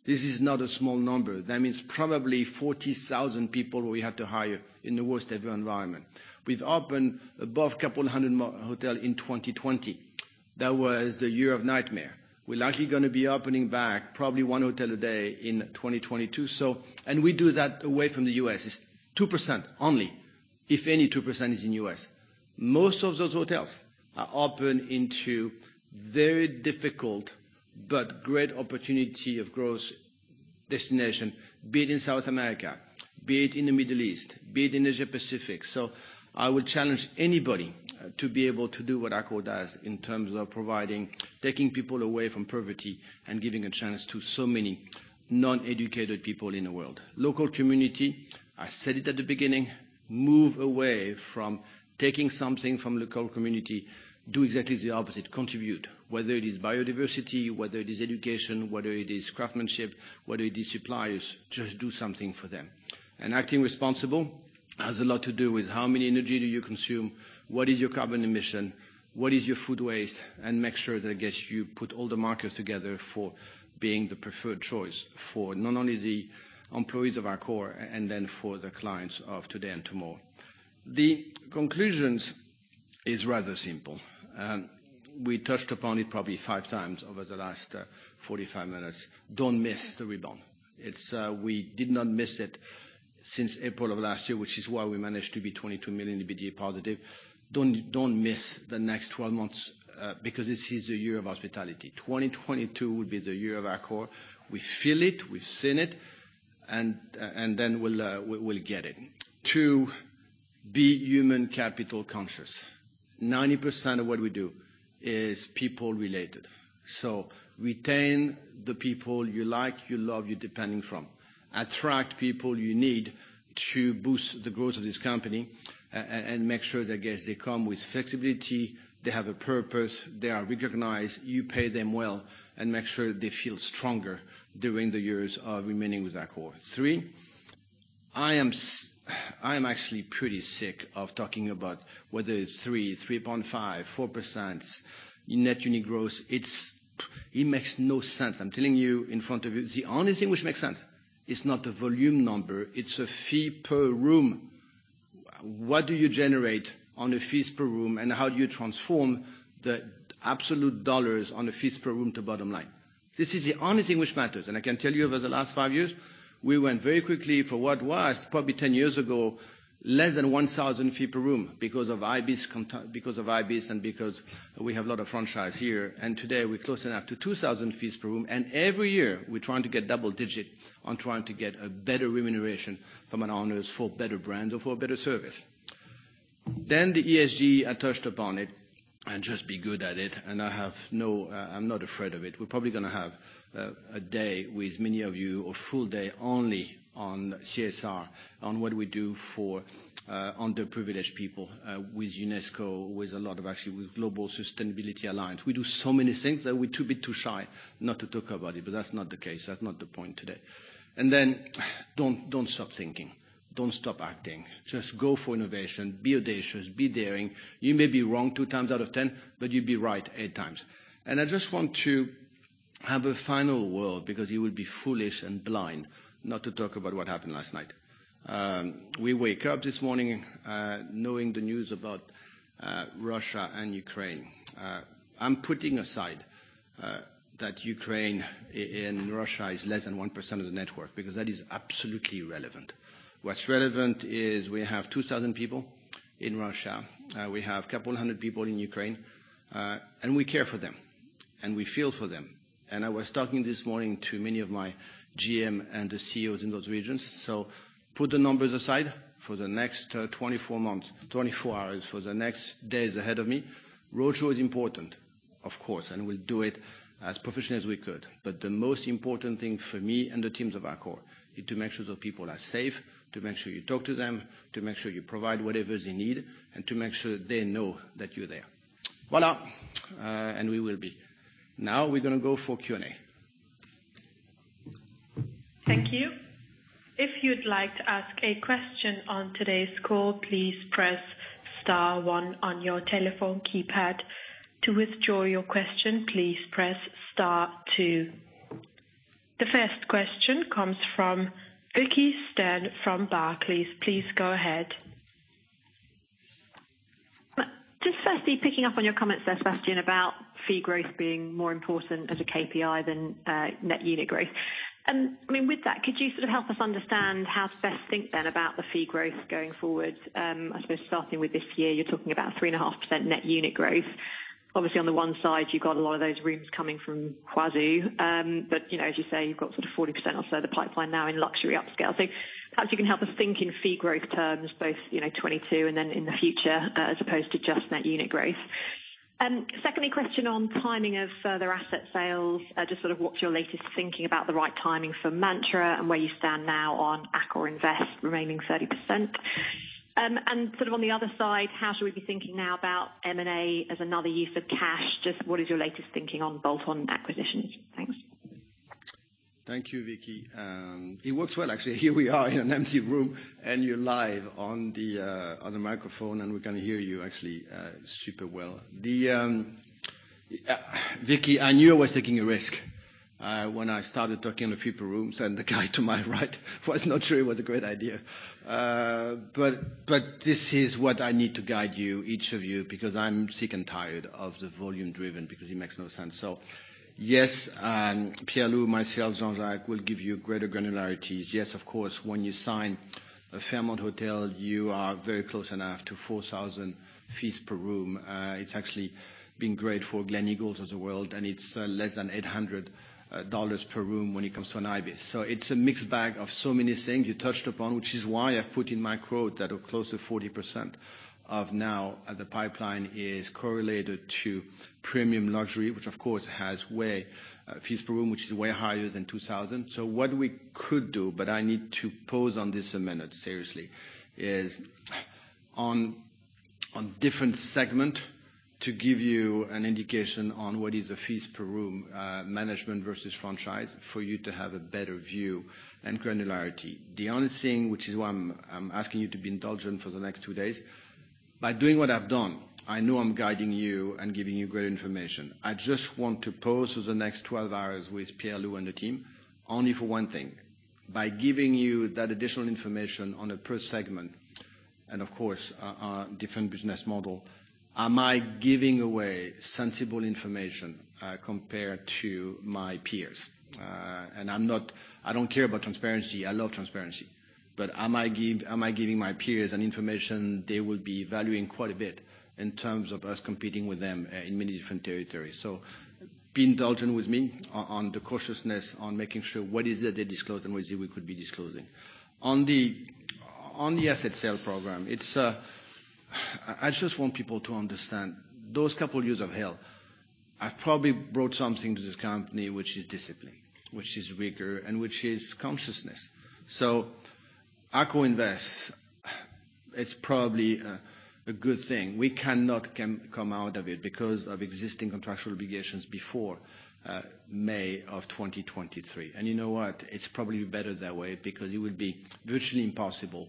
This is not a small number. That means probably 40,000 people we had to hire in the worst-ever environment. We've opened above a couple hundred hotels in 2020. That was a year of nightmare. We're likely going to be opening back probably one hotel a day in 2022. And we do that away from the US. It's 2% only, if any 2% is in the US. Most of those hotels are open into very difficult but great opportunity of growth destination, be it in South America, be it in the Middle East, be it in Asia-Pacific. So I would challenge anybody to be able to do what Accor does in terms of providing, taking people away from poverty and giving a chance to so many non-educated people in the world. Local community, I said it at the beginning, move away from taking something from the local community. Do exactly the opposite. Contribute, whether it is biodiversity, whether it is education, whether it is craftsmanship, whether it is suppliers. Just do something for them. Acting responsible has a lot to do with how many energy do you consume, what is your carbon emission, what is your food waste, and make sure that, I guess, you put all the markers together for being the preferred choice for not only the employees of Accor and then for the clients of today and tomorrow. The conclusion is rather simple. We touched upon it probably five times over the last 45 minutes. Don't miss the rebound. We did not miss it since April of last year, which is why we managed to be 22 million EBITDA positive. Don't miss the next 12 months because this is a year of hospitality. 2022 will be the year of Accor. We feel it. We've seen it. And then we'll get it. To be human capital conscious. 90% of what we do is people-related. So retain the people you like, you love, you're depending from. Attract people you need to boost the growth of this company and make sure that, I guess, they come with flexibility, they have a purpose, they are recognized, you pay them well, and make sure they feel stronger during the years of remaining with Accor. Three, I am actually pretty sick of talking about whether it's 3, 3.5, 4% net unit growth. It makes no sense. I'm telling you in front of you, the only thing which makes sense is not the volume number. It's a fee per room. What do you generate on the fees per room? And how do you transform the absolute dollars on the fees per room to bottom line? This is the only thing which matters. I can tell you over the last five years, we went very quickly from what was probably 10 years ago less than 1,000 fees per room because of Ibis and because we have a lot of franchise here. Today, we're close enough to 2,000 fees per room. Every year, we're trying to get double-digit on trying to get a better remuneration from owners for better brands or for better service. The ESG, I touched upon it. Just be good at it. I'm not afraid of it. We're probably going to have a day with many of you or full day only on CSR, on what we do for underprivileged people with UNESCO, with a lot actually with Global Sustainability Alliance. We do so many things that we're too shy not to talk about it, but that's not the case. That's not the point today. And then don't stop thinking. Don't stop acting. Just go for innovation. Be audacious. Be daring. You may be wrong two times out of 10, but you'll be right eight times. And I just want to have a final word because it would be foolish and blind not to talk about what happened last night. We wake up this morning knowing the news about Russia and Ukraine. I'm putting aside that Ukraine and Russia is less than 1% of the network because that is absolutely irrelevant. What's relevant is we have 2,000 people in Russia. We have a couple hundred people in Ukraine. And we care for them. And we feel for them. And I was talking this morning to many of my GM and the CEOs in those regions. So put the numbers aside for the next 24 hours, for the next days ahead of me. Roadshow is important, of course, and we'll do it as professionally as we could. But the most important thing for me and the teams of Accor is to make sure those people are safe, to make sure you talk to them, to make sure you provide whatever they need, and to make sure they know that you're there. Voilà. And we will be. Now we're going to go for Q&A. Thank you. If you'd like to ask a question on today's call, please press star one on your telephone keypad. To withdraw your question, please press star two. The first question comes from Vicki Stern from Barclays. Please go ahead. Just firstly, picking up on your comments, Sébastien, about fee growth being more important as a KPI than net unit growth. I mean, with that, could you sort of help us understand how to best think then about the fee growth going forward? I suppose starting with this year, you're talking about 3.5% net unit growth. Obviously, on the one side, you've got a lot of those rooms coming from Huazhu. But as you say, you've got sort of 40% or so of the pipeline now in luxury upscale. So perhaps you can help us think in fee growth terms, both 2022 and then in the future, as opposed to just net unit growth. And secondly, question on timing of further asset sales. Just sort of what's your latest thinking about the right timing for Mantra and where you stand now on AccorInvest, remaining 30%? And sort of on the other side, how should we be thinking now about M&A as another use of cash? Just what is your latest thinking on hotel acquisitions? Thanks. Thank you, Vicki. It works well, actually. Here we are in an empty room, and you're live on the microphone, and we can hear you actually super well. Vicki, I knew I was taking a risk when I started talking on the fee per room, and the guy to my right was not sure it was a great idea. But this is what I need to guide you, each of you, because I'm sick and tired of the volume-driven because it makes no sense. So yes, Pierre-Louis, myself, Jean-Jacques will give you greater granularities. Yes, of course, when you sign a Fairmont hotel, you are very close enough to 4,000 fees per room. It's actually been great for Gleneagles of the world, and it's less than $800 per room when it comes to an Ibis. It's a mixed bag of so many things you touched upon, which is why I've put in my quote that close to 40% of now the pipeline is correlated to premium luxury, which of course has way higher fees per room, which is way higher than 2,000. What we could do, but I need to pause on this a minute, seriously, is on different segments to give you an indication on what is the fees per room management versus franchise for you to have a better view and granularity. The only thing, which is why I'm asking you to be indulgent for the next two days, by doing what I've done, I know I'm guiding you and giving you great information. I just want to pause for the next 12 hours with Pierre-Louis and the team only for one thing. By giving you that additional information on a per segment and, of course, different business model, am I giving away sensible information compared to my peers? And I don't care about transparency. I love transparency. But am I giving my peers an information they will be valuing quite a bit in terms of us competing with them in many different territories? So be indulgent with me on the cautiousness on making sure what is it they disclose and what is it we could be disclosing. On the asset sale program, I just want people to understand those couple years of hell. I've probably brought something to this company, which is discipline, which is rigor, and which is consciousness. So AccorInvest, it's probably a good thing. We cannot come out of it because of existing contractual obligations before May of 2023. And you know what? It's probably better that way because it would be virtually impossible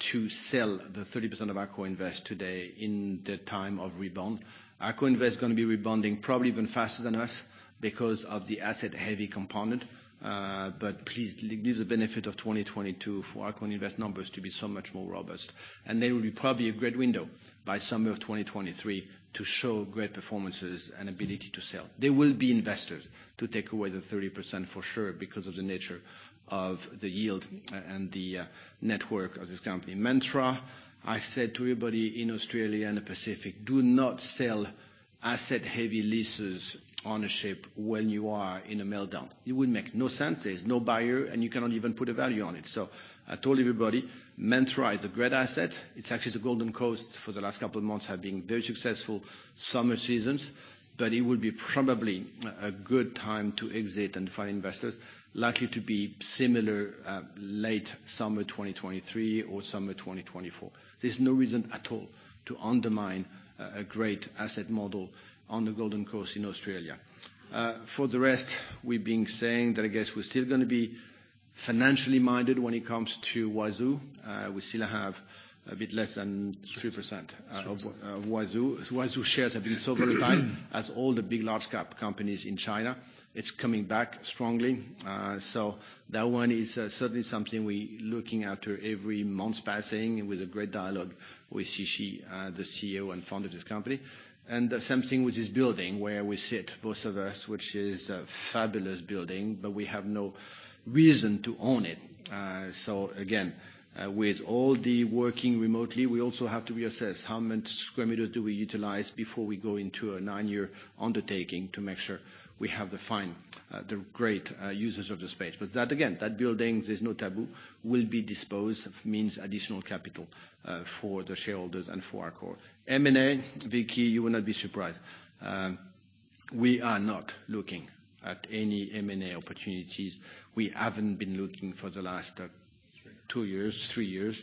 to sell the 30% of AccorInvest today in the time of rebound. AccorInvest is going to be rebounding probably even faster than us because of the asset-heavy component. But please leave the benefit of 2022 for AccorInvest numbers to be so much more robust. And there will be probably a great window by summer of 2023 to show great performances and ability to sell. There will be investors to take away the 30% for sure because of the nature of the yield and the network of this company. Mantra, I said to everybody in Australia and the Pacific, do not sell asset-heavy leases ownership when you are in a meltdown. It would make no sense. There's no buyer, and you cannot even put a value on it. So I told everybody Mantra is a great asset. It's actually the Gold Coast for the last couple of months have been very successful summer seasons, but it would be probably a good time to exit and find investors. Likely to be similar late summer 2023 or summer 2024. There's no reason at all to undermine a great asset model on the Gold Coast in Australia. For the rest, we've been saying that, I guess, we're still going to be financially minded when it comes to Huazhu. We still have a bit less than 3% of Huazhu. Huazhu shares have been so volatile as all the big large-cap companies in China. It's coming back strongly. So that one is certainly something we're looking after every month passing with a great dialogue with Ji Qi, the CEO and founder of this company. The same thing with this building where we sit, both of us, which is a fabulous building, but we have no reason to own it. So again, with all the working remotely, we also have to reassess how many square meters do we utilize before we go into a nine-year undertaking to make sure we have the great users of the space. But that, again, that building, there's no taboo, will be disposed means additional capital for the shareholders and for Accor. M&A, Vicki, you will not be surprised. We are not looking at any M&A opportunities. We haven't been looking for the last two years, three years.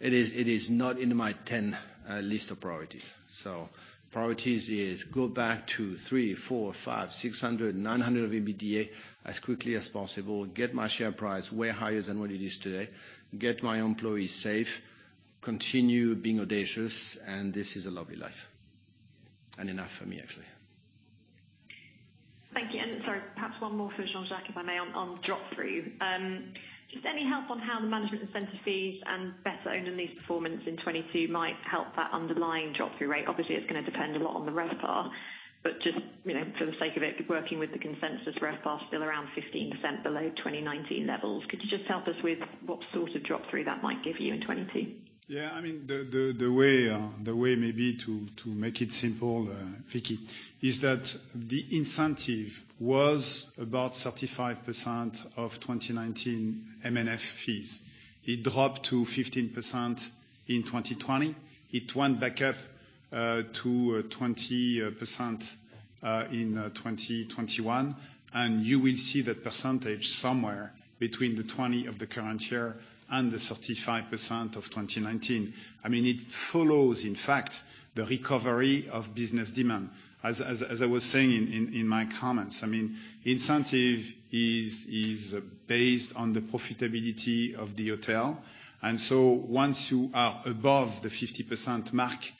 It is not in my 10 list of priorities. So priorities is go back to three, four, five, 600, 900 of EBITDA as quickly as possible. Get my share price way higher than what it is today. Get my employees safe. Continue being audacious. And this is a lovely life. And enough for me, actually. Thank you. And sorry, perhaps one more for Jean-Jacques, if I may, on drop-through. Just any help on how the management incentive fees and better owner lease performance in 2022 might help that underlying drop-through rate? Obviously, it's going to depend a lot on the RevPAR. But just for the sake of it, working with the consensus RevPAR, still around 15% below 2019 levels. Could you just help us with what sort of drop-through that might give you in 2022? Yeah. I mean, the way maybe to make it simple, Vicki, is that the incentive was about 35% of 2019 M&F fees. It dropped to 15% in 2020. It went back up to 20% in 2021. You will see that percentage somewhere between the 20% of the current year and the 35% of 2019. I mean, it follows, in fact, the recovery of business demand. As I was saying in my comments, I mean, incentive is based on the profitability of the hotel. And so once you are above the 50% mark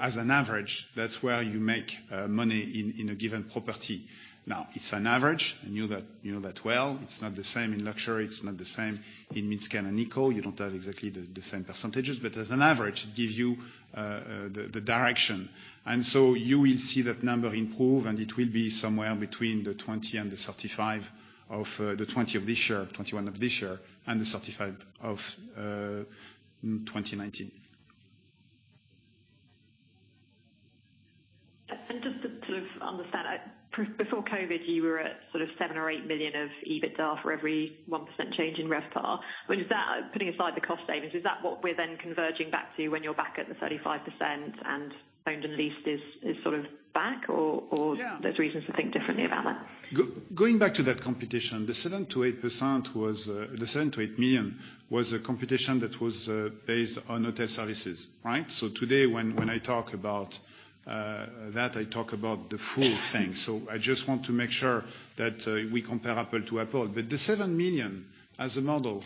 as an average, that's where you make money in a given property. Now, it's an average. You know that well. It's not the same in luxury. It's not the same in mid-scale and eco. You don't have exactly the same percentages. But as an average, it gives you the direction. And so you will see that number improve, and it will be somewhere between the 20 and the 35 of the 20 of this year, 21 of this year, and the 35 of 2019. Just to sort of understand, before COVID, you were at sort of seven or eight million of EBITDA for every 1% change in RevPAR. Putting aside the cost savings, is that what we're then converging back to when you're back at the 35% and owned and leased is sort of back? Or there's reasons to think differently about that? Going back to that correlation, the seven to eight million was a correlation that was based on hotel services, right? So today, when I talk about that, I talk about the full thing. So I just want to make sure that we compare apples to apples. But the 7 million as a model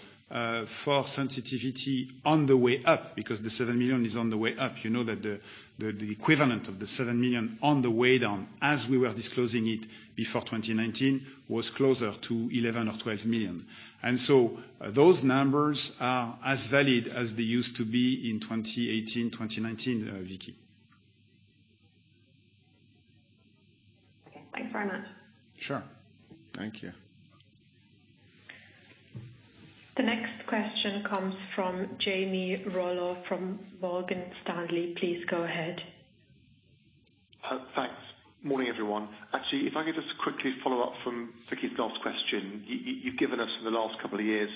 for sensitivity on the way up, because the 7 million is on the way up, you know that the equivalent of the 7 million on the way down, as we were disclosing it before 2019, was closer to 11 or 12 million. And so those numbers are as valid as they used to be in 2018, 2019, Vicki. Okay. Thanks very much. Sure. Thank you. The next question comes from Jamie Rollo from Morgan Stanley. Please go ahead. Thanks. Morning, everyone. Actually, if I could just quickly follow up from Vicki's last question. You've given us, for the last couple of years,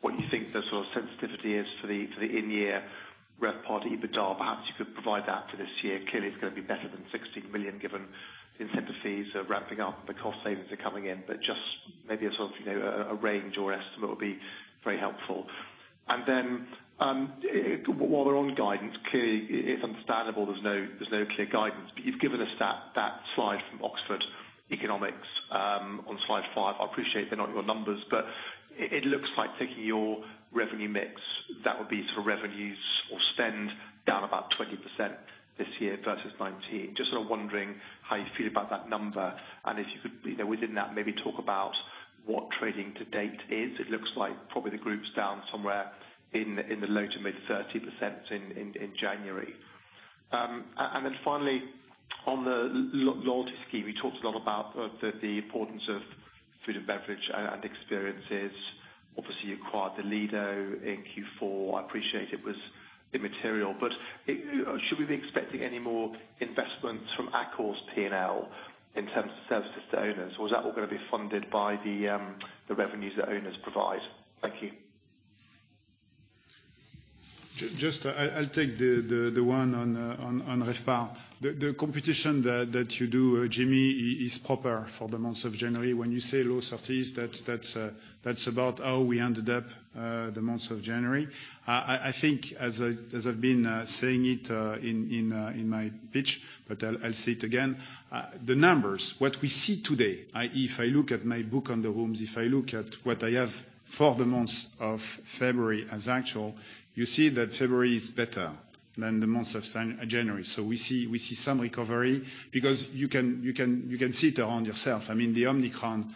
what you think the sort of sensitivity is for the in-year RevPAR to EBITDA. Perhaps you could provide that for this year. Clearly, it's going to be better than 16 million given incentive fees are ramping up and the cost savings are coming in. But just maybe a sort of a range or estimate would be very helpful. And then while we're on guidance, clearly, it's understandable there's no clear guidance. But you've given us that slide from Oxford Economics on slide five. I appreciate they're not your numbers, but it looks like taking your revenue mix, that would be sort of revenues or spend down about 20% this year versus 2019. Just sort of wondering how you feel about that number. And if you could, within that, maybe talk about what trading to date is. It looks like probably the group's down somewhere in the low-to-mid 30% in January. And then finally, on the loyalty scheme, you talked a lot about the importance of food and beverage and experiences. Obviously, you acquired the Lido in Q4. I appreciate it was immaterial. But should we be expecting any more investments from Accor's P&L in terms of services to owners? Or is that all going to be funded by the revenues that owners provide? Thank you. Just, I'll take the one on RevPAR. The computation that you do, Jamie, is proper for the months of January. When you say low 30s, that's about how we ended up the months of January. I think, as I've been saying it in my pitch, but I'll say it again, the numbers, what we see today, i.e., if I look at my book on the rooms, if I look at what I have for the months of February as actual, you see that February is better than the months of January. So we see some recovery because you can see it around yourself. I mean, the Omicron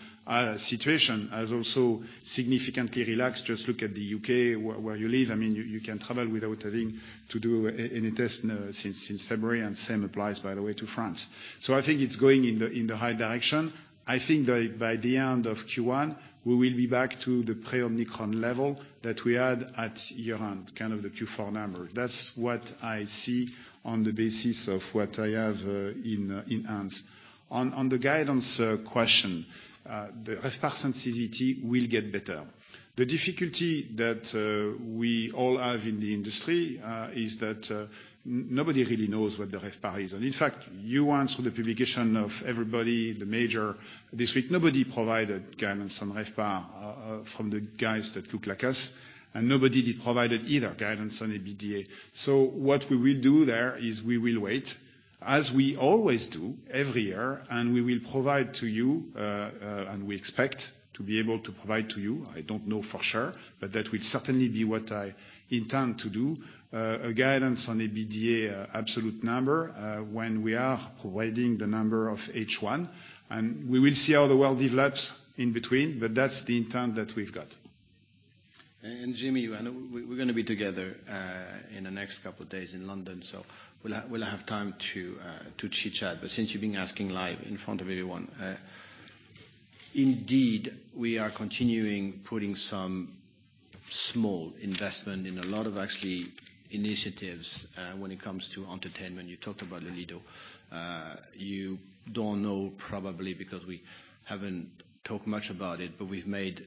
situation has also significantly relaxed. Just look at the U.K., where you live. I mean, you can travel without having to do any test since February. And same applies, by the way, to France. So I think it's going in the right direction. I think by the end of Q1, we will be back to the pre-Omicron level that we had at year-end, kind of the Q4 number. That's what I see on the basis of what I have in hands. On the guidance question, the RevPAR sensitivity will get better. The difficulty that we all have in the industry is that nobody really knows what the RevPAR is. And in fact, we've seen the publications of everybody, the majors this week. Nobody provided guidance on RevPAR from the guys that look like us. And nobody did provide either guidance on EBITDA. So what we will do there is we will wait, as we always do every year, and we will provide to you, and we expect to be able to provide to you. I don't know for sure, but that will certainly be what I intend to do. A guidance on EBITDA absolute number when we are providing the number of H1. And we will see how the world develops in between, but that's the intent that we've got. And Jimmy, we're going to be together in the next couple of days in London, so we'll have time to chit-chat. But since you've been asking live in front of everyone, indeed, we are continuing putting some small investment in a lot of, actually, initiatives when it comes to entertainment. You talked about the Lido. You don't know, probably, because we haven't talked much about it, but we've made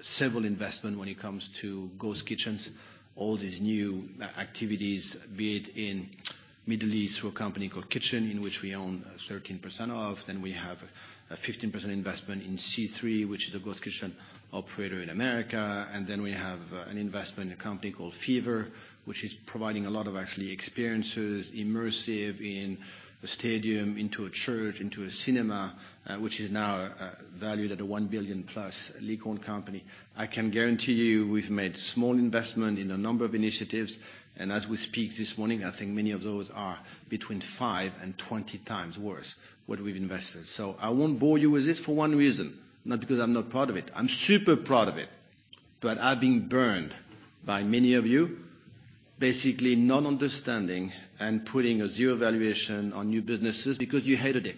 several investments when it comes to ghost kitchens, all these new activities, be it in the Middle East through a company called Kitch-In, which we own 13% of. Then we have a 15% investment in C3, which is a ghost kitchen operator in America. And then we have an investment in a company called Fever, which is providing a lot of, actually, experiences, immersive in a stadium, into a church, into a cinema, which is now valued at a 1 billion-plus unicorn company. I can guarantee you we've made small investments in a number of initiatives. And as we speak this morning, I think many of those are between five and 20 times worth what we've invested. So I won't bore you with this for one reason, not because I'm not proud of it. I'm super proud of it. But I've been burned by many of you, basically not understanding and putting a zero valuation on new businesses because you hated it.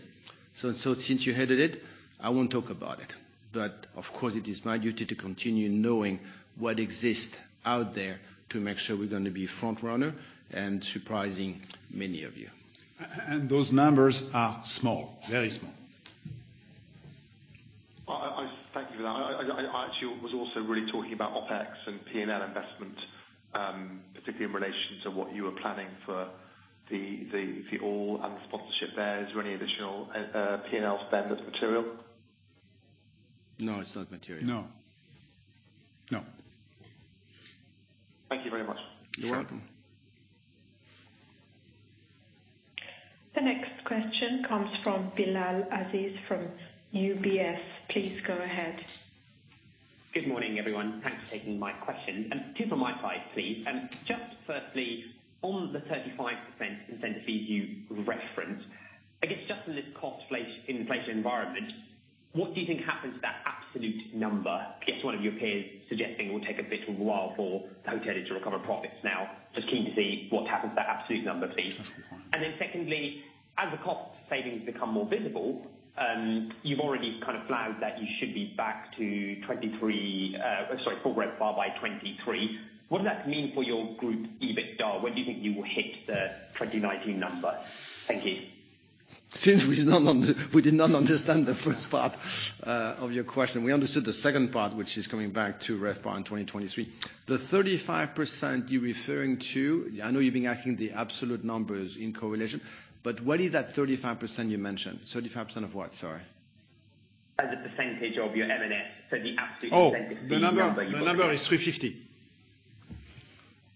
So since you hated it, I won't talk about it. But of course, it is my duty to continue knowing what exists out there to make sure we're going to be front-runner and surprising many of you. And those numbers are small, very small. Thank you for that. I actually was also really talking about OpEx and P&L investment, particularly in relation to what you were planning for the all and the sponsorship there. Is there any additional P&L spend that's material? No, it's not material. No. No. Thank you very much. You're welcome. The next question comes from Bilal Aziz from UBS. Please go ahead. Good morning, everyone. Thanks for taking my question. Two from my side, please. Just firstly, on the 35% incentive fees you referenced, I guess, just in this cost inflation environment, what do you think happens to that absolute number? I guess one of your peers suggesting it will take a bit of a while for the hoteliers to recover profits now. Just keen to see what happens to that absolute number, please. And then secondly, as the cost savings become more visible, you've already kind of flagged that you should be back to 2019 RevPAR by 2023. What does that mean for your group EBITDA? When do you think you will hit the 2019 number? Thank you. Since we did not understand the first part of your question, we understood the second part, which is coming back to RevPAR in 2023. The 35% you're referring to, I know you've been asking the absolute numbers in correlation, but what is that 35% you mentioned? 35% of what, sorry? As a percentage of your M&F, so the absolute incentive fee number you mentioned. Oh, the number is 350.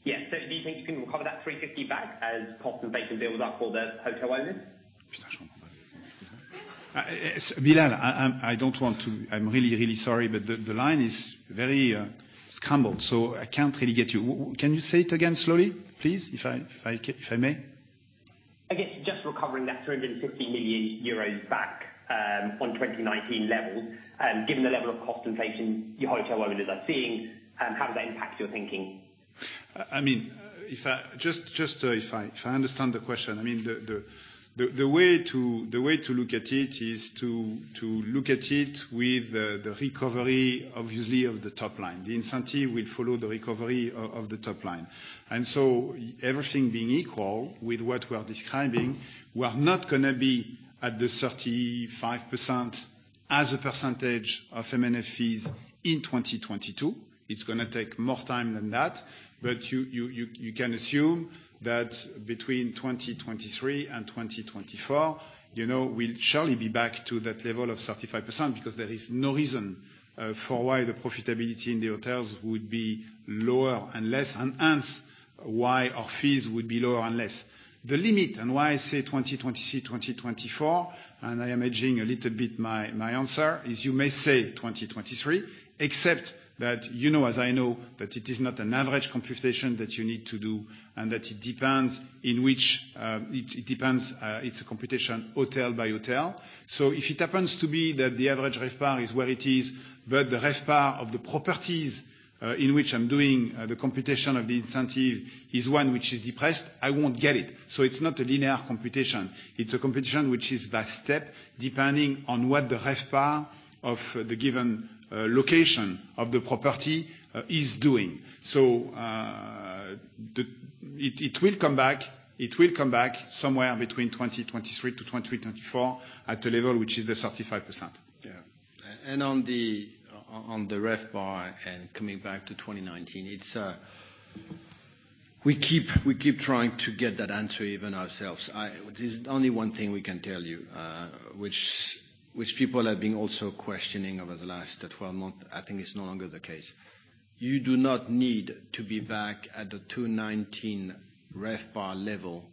Yeah. So do you think you can recover that 350 back as cost inflation builds up for the hotel owners? Bilal, I don't want to. I'm really, really sorry, but the line is very scrambled, so I can't really get you. Can you say it again slowly, please, if I may? I guess just recovering that 350 million euros back on 2019 levels, given the level of cost inflation your hotel owners are seeing, how does that impact your thinking? I mean, just if I understand the question, I mean, the way to look at it is to look at it with the recovery, obviously, of the top line. The incentive will follow the recovery of the top line. And so everything being equal with what we are describing, we are not going to be at the 35% as a percentage of M&F fees in 2022. It's going to take more time than that. But you can assume that between 2023 and 2024, we'll surely be back to that level of 35% because there is no reason for why the profitability in the hotels would be lower and less, and hence why our fees would be lower and less. The limit and why I say 2023, 2024, and I am edging a little bit my answer, is you may say 2023, except that, as I know, that it is not an average computation that you need to do and that it depends in which it depends; it's a computation hotel by hotel. So if it happens to be that the average RevPAR is where it is, but the RevPAR of the properties in which I'm doing the computation of the incentive is one which is depressed, I won't get it. So it's not a linear computation. It's a computation which is by step, depending on what the RevPAR of the given location of the property is doing. So it will come back; it will come back somewhere between 2023 to 2024 at a level which is the 35%. Yeah. On the RevPAR and coming back to 2019, we keep trying to get that answer even ourselves. There's only one thing we can tell you, which people have been also questioning over the last 12 months. I think it's no longer the case. You do not need to be back at the 2019 RevPAR level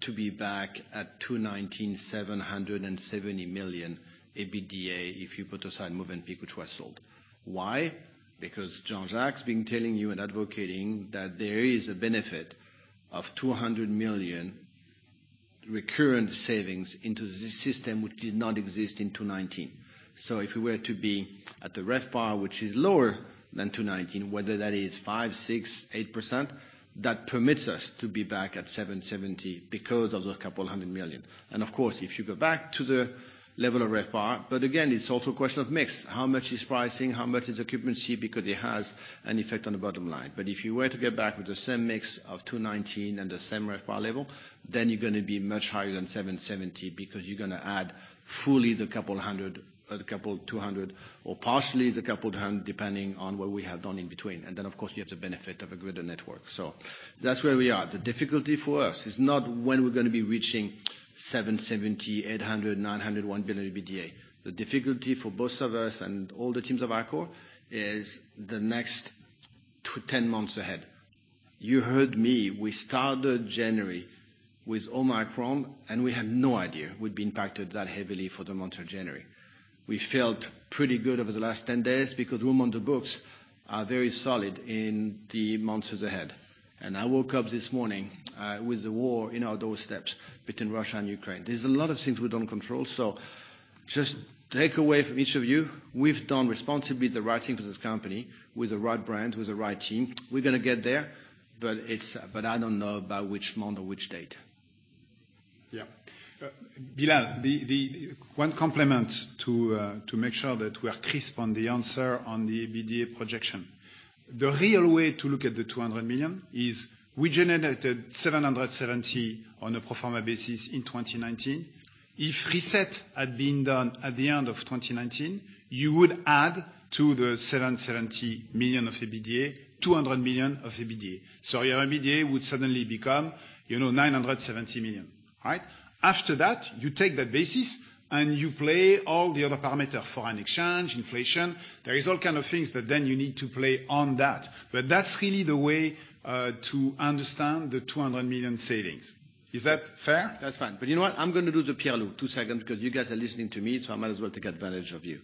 to be back at 2019, €770 million EBITDA if you put aside moving people to household. Why? Because Jean-Jacques has been telling you and advocating that there is a benefit of €200 million recurring savings into this system which did not exist in 2019. So if we were to be at the RevPAR, which is lower than 2019, whether that is 5%, 6%, 8%, that permits us to be back at 770 because of the couple hundred million. Of course, if you go back to the level of RevPAR, but again, it's also a question of mix. How much is pricing? How much is the equipment fee? Because it has an effect on the bottom line. But if you were to get back with the same mix of 219 and the same RevPAR level, then you're going to be much higher than 770 because you're going to add fully the couple hundred, the couple 200, or partially the couple hundred, depending on what we have done in between. And then, of course, you have the benefit of a greater network. So that's where we are. The difficulty for us is not when we're going to be reaching 770, 800, 900, 1 billion EBITDA. The difficulty for both of us and all the teams of Accor is the next 10 months ahead. You heard me. We started January with Omicron, and we have no idea we'd be impacted that heavily for the month of January. We felt pretty good over the last 10 days because rooms on the books are very solid in the months ahead, and I woke up this morning with the war in our doorsteps between Russia and Ukraine. There's a lot of things we don't control, so just take away from each of you, we've done responsibly the right thing for this company with the right brand, with the right team. We're going to get there, but I don't know about which month or which date. Yeah. Bilal, one comment to make sure that we are crisp on the answer on the EBITDA projection. The real way to look at the 200 million is we generated 770 million on a pro forma basis in 2019. If reset had been done at the end of 2019, you would add to the 770 million of EBITDA 200 million of EBITDA. So your EBITDA would suddenly become 970 million. Right? After that, you take that basis and you play all the other parameters: foreign exchange, inflation. There is all kind of things that then you need to play on that. But that's really the way to understand the 200 million savings. Is that fair? That's fine. But you know what? I'm going to do the Pierre-Louis two seconds because you guys are listening to me, so I might as well take advantage of you.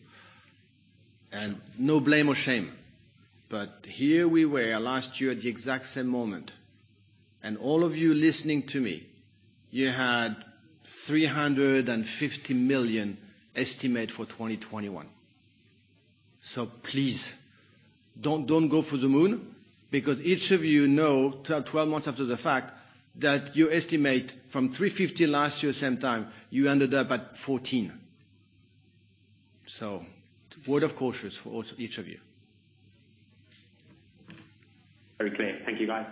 And no blame or shame. But here we were last year at the exact same moment. And all of you listening to me, you had 350 million estimate for 2021. So please, don't go for the moon because each of you know 12 months after the fact that your estimate from 350 last year same time, you ended up at 14. So word of caution for each of you. Very clear. Thank you, guys.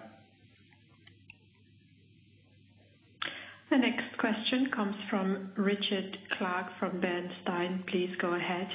The next question comes fromRichard Clarke from Bernstein. Please go ahead.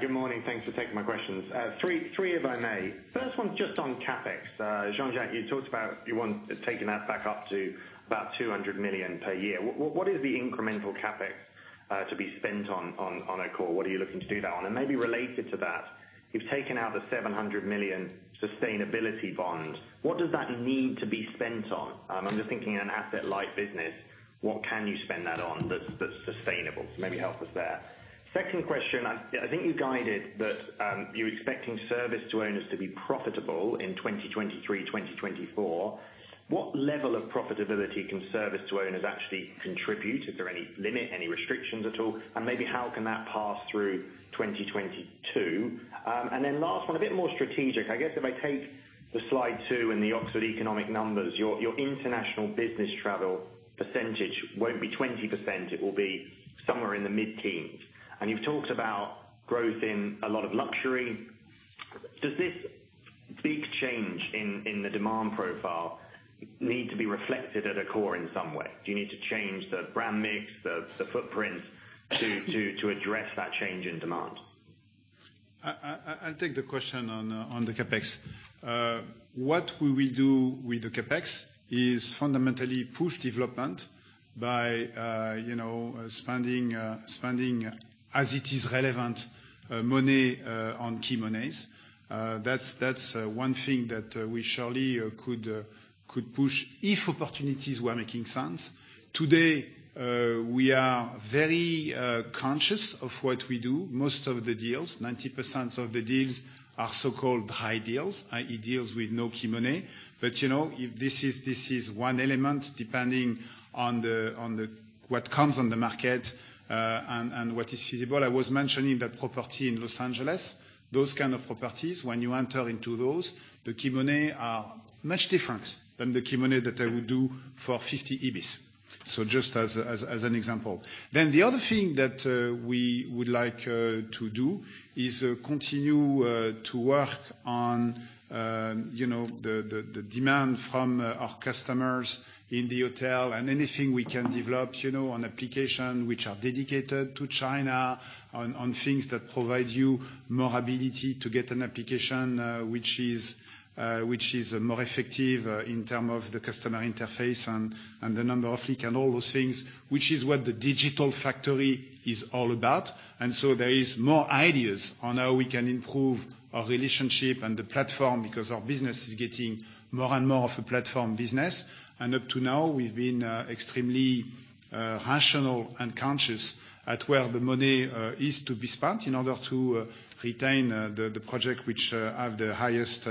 Good morning. Thanks for taking my questions. Three if I may. First one's just on CapEx. Jean-Jacques, you talked about you want taking that back up to about 200 million per year. What is the incremental CapEx to be spent on Accor? What are you looking to do that on? And maybe related to that, you've taken out the 700 million sustainability bond. What does that need to be spent on? I'm just thinking in an asset-light business, what can you spend that on that's sustainable? So maybe help us there. Second question, I think you guided that you're expecting service to owners to be profitable in 2023, 2024. What level of profitability can service to owners actually contribute? Is there any limit, any restrictions at all? And maybe how can that pass through 2022? And then last one, a bit more strategic. I guess if I take the slide two and the Oxford Economics numbers, your international business travel percentage won't be 20%. It will be somewhere in the mid-teens%. And you've talked about growth in a lot of luxury. Does this big change in the demand profile need to be reflected at Accor in some way? Do you need to change the brand mix, the footprint to address that change in demand? I'll take the question on the CapEx. What we will do with the CapEx is fundamentally push development by spending as it is relevant money on key monies. That's one thing that we surely could push if opportunities were making sense. Today, we are very conscious of what we do. Most of the deals, 90% of the deals are so-called light deals, i.e., deals with no key money. But this is one element depending on what comes on the market and what is feasible. I was mentioning that property in Los Angeles, those kind of properties, when you enter into those, the key money are much different than the key money that I would do for 50 Ibis, so just as an example. Then the other thing that we would like to do is continue to work on the demand from our customers in the hotel and anything we can develop on applications which are dedicated to China, on things that provide you more ability to get an application which is more effective in terms of the customer interface and the number of leaks and all those things, which is what the digital factory is all about. And so there are more ideas on how we can improve our relationship and the platform because our business is getting more and more of a platform business. And up to now, we've been extremely rational and conscious at where the money is to be spent in order to retain the project which has the highest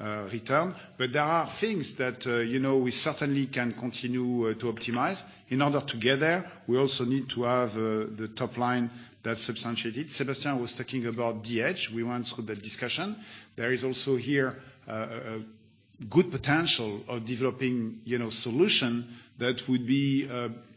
return. But there are things that we certainly can continue to optimize. In order to get there, we also need to have the top line that's substantiated. Sébastien was talking about the D-EDGE. We went through that discussion. There is also here a good potential of developing a solution that would be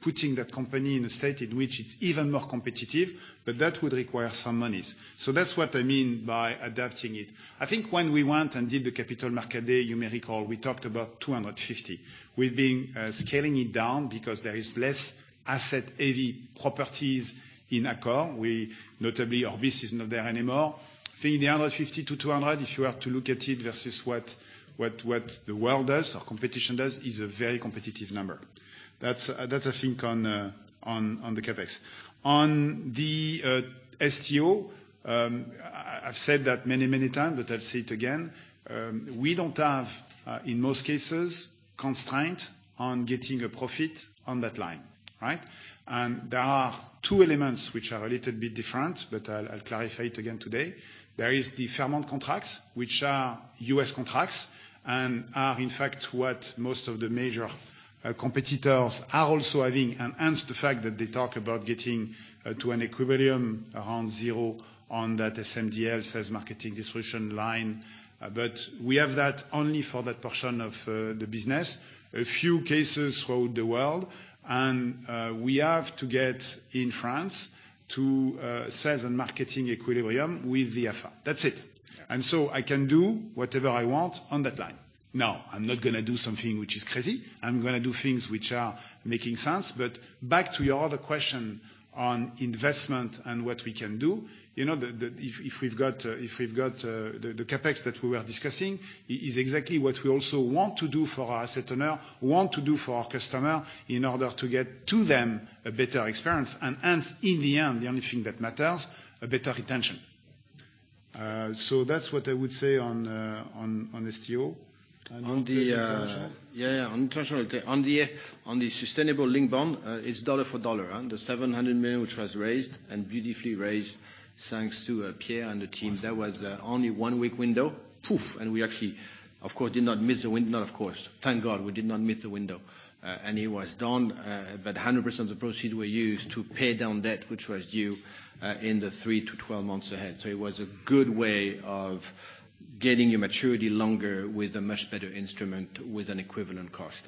putting that company in a state in which it's even more competitive, but that would require some monies. So that's what I mean by adapting it. I think when we went and did the capital market day, you may recall we talked about 250. We've been scaling it down because there are less asset-heavy properties in Accor. Notably, our business is not there anymore. I think the 150-200, if you were to look at it versus what the world does or competition does, is a very competitive number. That's a thing on the CapEx. On the STO, I've said that many, many times, but I'll say it again. We don't have, in most cases, constraints on getting a profit on that line. Right? And there are two elements which are a little bit different, but I'll clarify it again today. There are the franchise contracts, which are US contracts and are, in fact, what most of the major competitors are also having, and hence the fact that they talk about getting to an equilibrium around zero on that SMDL, sales marketing distribution line. But we have that only for that portion of the business, a few cases throughout the world, and we have to get in France to sales and marketing equilibrium with the FA. That's it. And so I can do whatever I want on that line. Now, I'm not going to do something which is crazy. I'm going to do things which are making sense. But back to your other question on investment and what we can do, if we've got the CapEx that we were discussing, it is exactly what we also want to do for our asset owner, want to do for our customer in order to get to them a better experience. And hence, in the end, the only thing that matters is better retention. So that's what I would say on STO. On the sustainability-linked bond, it's dollar for dollar, the $700 million which was raised and beautifully raised thanks to Pierre and the team. That was only one week window. Poof. And we actually, of course, did not miss the window. Thank God we did not miss the window. And it was done. But 100% of the proceeds were used to pay down debt which was due in the 3-12 months ahead. So it was a good way of getting your maturity longer with a much better instrument with an equivalent cost,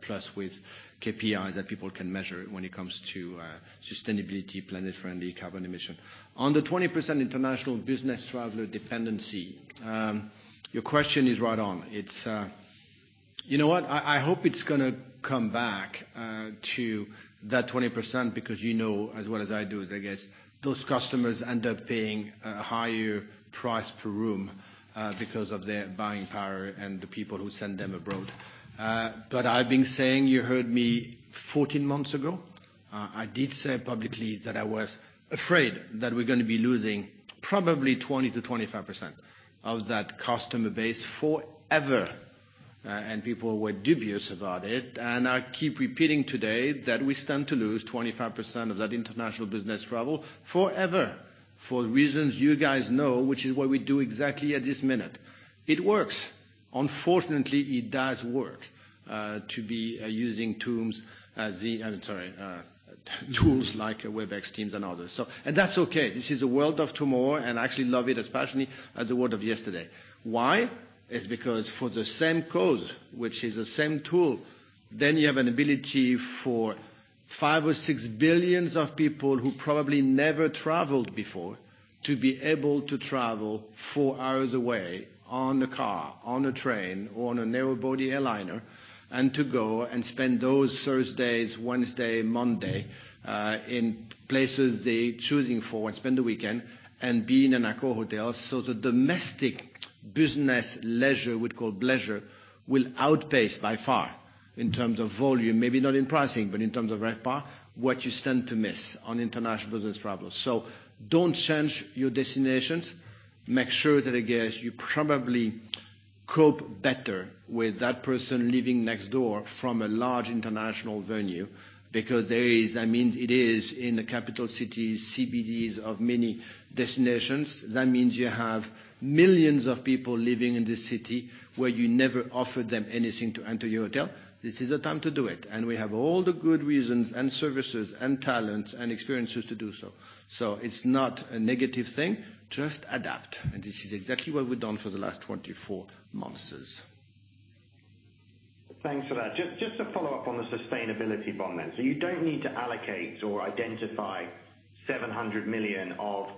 plus with KPIs that people can measure when it comes to sustainability, planet-friendly, carbon emission. On the 20% international business traveler dependency, your question is right on. You know what? I hope it's going to come back to that 20% because you know as well as I do, I guess, those customers end up paying a higher price per room because of their buying power and the people who send them abroad. But I've been saying you heard me 14 months ago. I did say publicly that I was afraid that we're going to be losing probably 20%-25% of that customer base forever. And people were dubious about it. And I keep repeating today that we stand to lose 25% of that international business travel forever for reasons you guys know, which is what we do exactly at this minute. It works. Unfortunately, it does work to be using tools like Webex, Teams, and others. And that's okay. This is a world of tomorrow, and I actually love it, especially the world of yesterday. Why? It's because for the same cause, which is the same tool, then you have an ability for five or six billions of people who probably never traveled before to be able to travel four hours away on a car, on a train, or on a narrow-body airliner and to go and spend those Thursdays, Wednesdays, Mondays in places they're choosing for and spend the weekend and be in an Accor hotel. So the domestic business leisure, we'd call it leisure, will outpace by far in terms of volume, maybe not in pricing, but in terms of RevPAR, what you stand to miss on international business travelers. So don't change your destinations. Make sure that, I guess, you probably cope better with that person living next door from a large international venue because it is in the capital cities, CBDs of many destinations. That means you have millions of people living in this city where you never offered them anything to enter your hotel. This is the time to do it. And we have all the good reasons and services and talents and experiences to do so. So it's not a negative thing. Just adapt. And this is exactly what we've done for the last 24 months. Thanks for that. Just to follow up on the sustainability bond then. So you don't need to allocate or identify 700 million of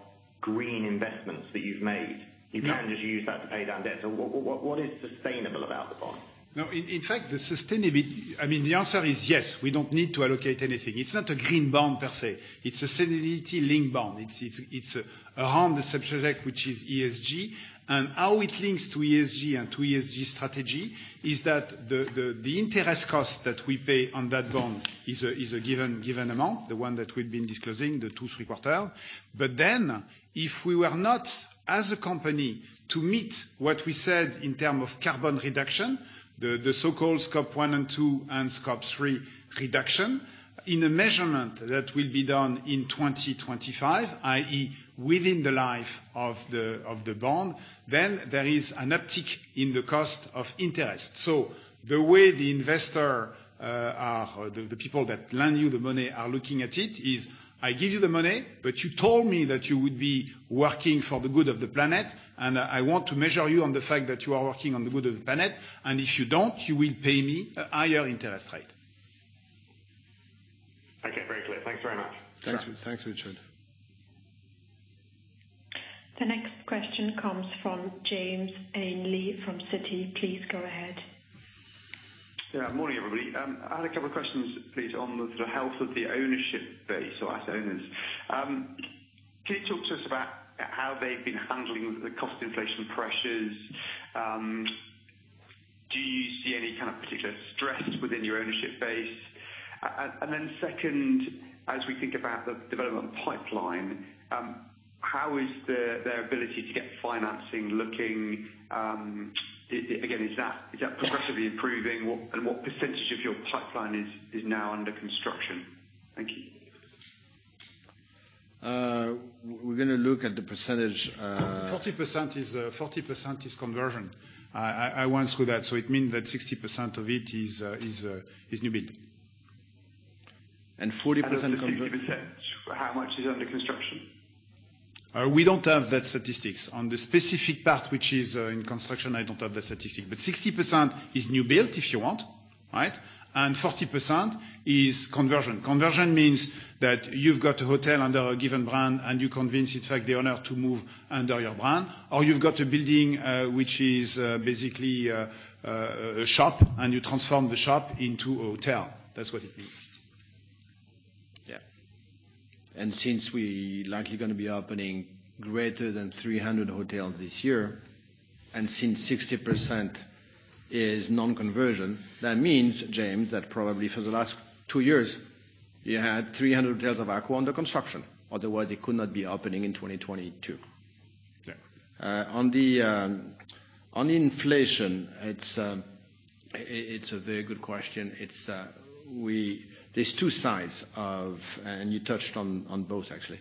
green investments that you've made. You can just use that to pay down debt. So what is sustainable about the bond? No, in fact, the sustainability I mean, the answer is yes. We don't need to allocate anything. It's not a green bond per se. It's a sustainability-linked bond. It's around the subject which is ESG. And how it links to ESG and to ESG strategy is that the interest cost that we pay on that bond is a given amount, the one that we've been disclosing, the two, three quarters. But then if we were not, as a company, to meet what we said in terms of carbon reduction, the so-called Scope 1, 2, and 3 reduction in a measurement that will be done in 2025, i.e., within the life of the bond, then there is an uptick in the cost of interest. So the way the investor or the people that lend you the money are looking at it is, "I give you the money, but you told me that you would be working for the good of the planet, and I want to measure you on the fact that you are working on the good of the planet. And if you don't, you will pay me a higher interest rate." Okay. Very clear. Thanks very much. Thanks, Richard. The next question comes from James Ainley from Citi. Please go ahead. Yeah. Morning, everybody. I had a couple of questions, please, on the sort of health of the ownership base or asset owners. Can you talk to us about how they've been handling the cost inflation pressures? Do you see any kind of particular stress within your ownership base? And then second, as we think about the development pipeline, how is their ability to get financing looking? Again, is that progressively improving? And what percentage of your pipeline is now under construction? Thank you. We're going to look at the percentage. 40% is conversion. I went through that. So it means that 60% of it is new build. And 40% conversion. How much is under construction? We don't have that statistics. On the specific part which is in construction, I don't have that statistic. But 60% is new build, if you want, right? And 40% conversion. Conversion means that you've got a hotel under a given brand, and you convince, in fact, the owner to move under your brand. Or you've got a building which is basically a shop, and you transform the shop into a hotel. That's what it means. Yeah. And since we're likely going to be opening greater than 300 hotels this year, and since 60% is non-conversion, that means, James, that probably for the last two years, you had 300 hotels of Accor under construction. Otherwise, it could not be opening in 2022. On the inflation, it's a very good question. There's two sides of, and you touched on both, actually.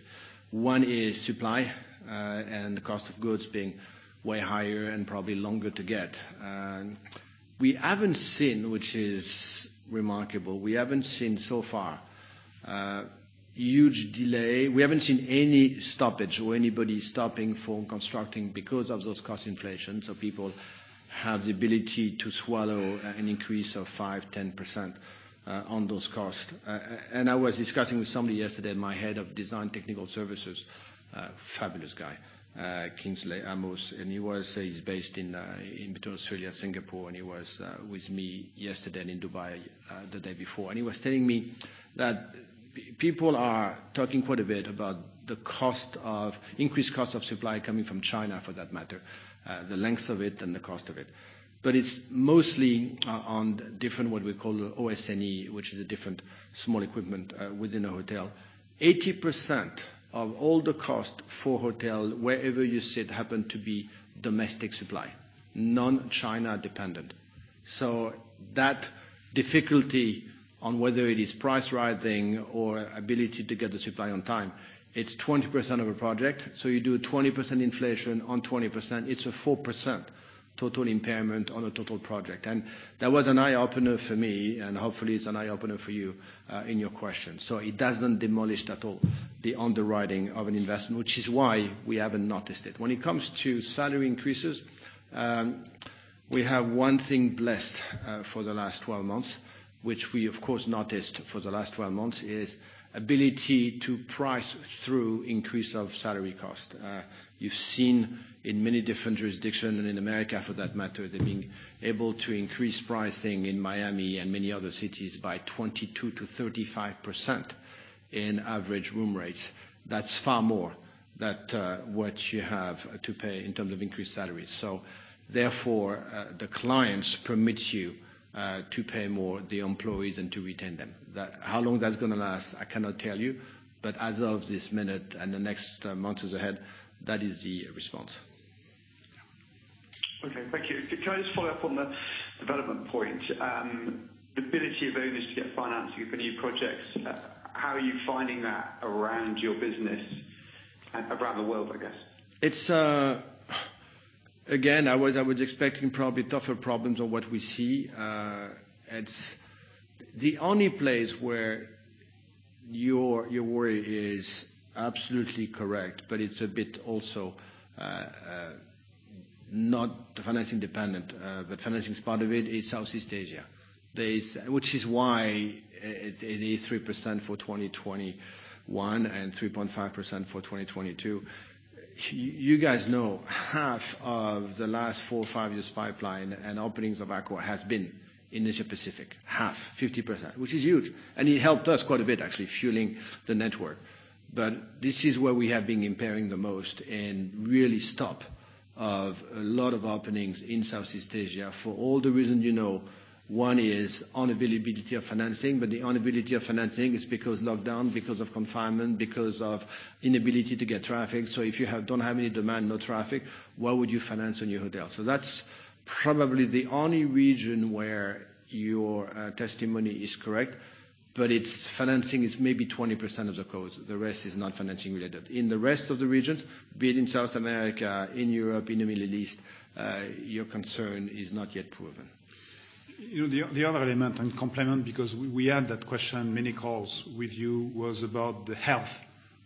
One is supply and the cost of goods being way higher and probably longer to get. We haven't seen, which is remarkable, we haven't seen so far huge delay. We haven't seen any stoppage or anybody stopping from constructing because of those cost inflations. People have the ability to swallow an increase of 5%-10% on those costs. I was discussing with somebody yesterday, my head of design technical services, fabulous guy, Kingsley Amos, and he was based in between Australia and Singapore, and he was with me yesterday in Dubai the day before. He was telling me that people are talking quite a bit about the increased cost of supply coming from China, for that matter, the length of it and the cost of it. But it's mostly on different, what we call, OS&E, which is a different small equipment within a hotel. 80% of all the cost for hotel, wherever you sit, happen to be domestic supply, non-China dependent. That difficulty on whether it is price rising or ability to get the supply on time, it's 20% of a project. You do 20% inflation on 20%. It's a 4% total impairment on a total project. That was an eye-opener for me, and hopefully, it's an eye-opener for you in your questions. It doesn't demolish at all the underwriting of an investment, which is why we haven't noticed it. When it comes to salary increases, we have one thing blessed for the last 12 months, which we, of course, noticed for the last 12 months, is ability to price through increase of salary cost. You've seen in many different jurisdictions and in America, for that matter, they've been able to increase pricing in Miami and many other cities by 22%-35% in average room rates. That's far more than what you have to pay in terms of increased salaries. So therefore, the clients permit you to pay more to the employees and to retain them. How long that's going to last, I cannot tell you. But as of this minute and the next months ahead, that is the response. Okay. Thank you. Can I just follow up on the development point? The ability of owners to get financing for new projects, how are you finding that around your business and around the world, I guess? Again, I was expecting probably tougher problems than what we see. The only place where your worry is absolutely correct, but it's a bit also not financing dependent, but financing is part of it, is Southeast Asia, which is why it is 3% for 2021 and 3.5% for 2022. You guys know half of the last four or five years' pipeline and openings of Accor has been in Asia-Pacific, half, 50%, which is huge, and it helped us quite a bit, actually, fueling the network, but this is where we have been impairing the most and really stopped a lot of openings in Southeast Asia for all the reasons you know. One is unavailability of financing, but the unavailability of financing is because lockdown, because of confinement, because of inability to get traffic, so if you don't have any demand, no traffic, where would you finance on your hotel, so that's probably the only region where your testimony is correct, but financing is maybe 20% of the cost. The rest is not financing related. In the rest of the regions, be it in South America, in Europe, in the Middle East, your concern is not yet proven. The other element and complement, because we had that question many calls with you, was about the health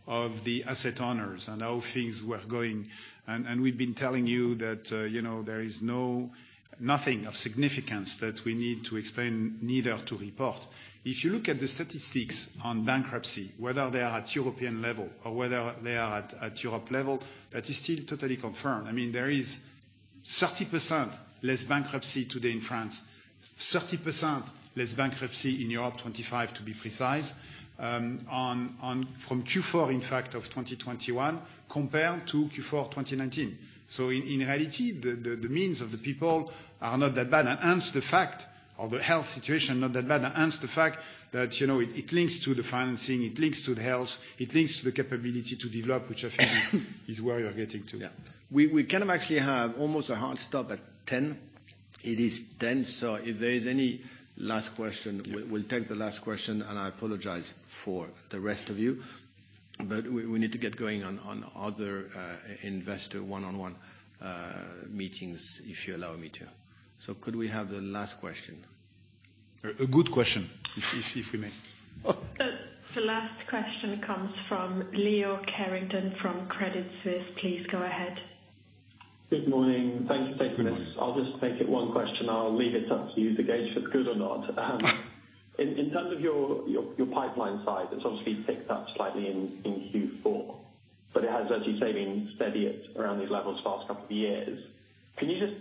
of the asset owners and how things were going, and we've been telling you that there is nothing of significance that we need to explain neither to report. If you look at the statistics on bankruptcy, whether they are at European level or whether they are at Europe level, that is still totally confirmed. I mean, there is 30% less bankruptcy today in France, 30% less bankruptcy in Europe, 25% to be precise, from Q4, in fact, of 2021 compared to Q4 2019, so in reality, the means of the people are not that bad, and hence the fact of the health situation, not that bad. And hence the fact that it links to the financing, it links to the health, it links to the capability to develop, which I think is where you're getting to. Yeah. We kind of actually have almost a hard stop at 10:00 A.M. It is 10:00 A.M. So if there is any last question, we'll take the last question. And I apologize for the rest of you, but we need to get going on other investor one-on-one meetings, if you allow me to. So could we have the last question? A good question, if we may. The last question comes from Leo Carrington from Credit Suisse. Please go ahead. Good morning. Thank you for taking the time. I'll just take it one question. I'll leave it up to you, the gauge, if it's good or not. In terms of your pipeline side, it's obviously ticked up slightly in Q4, but it has, as you say, been steady around these levels for the last couple of years. Can you just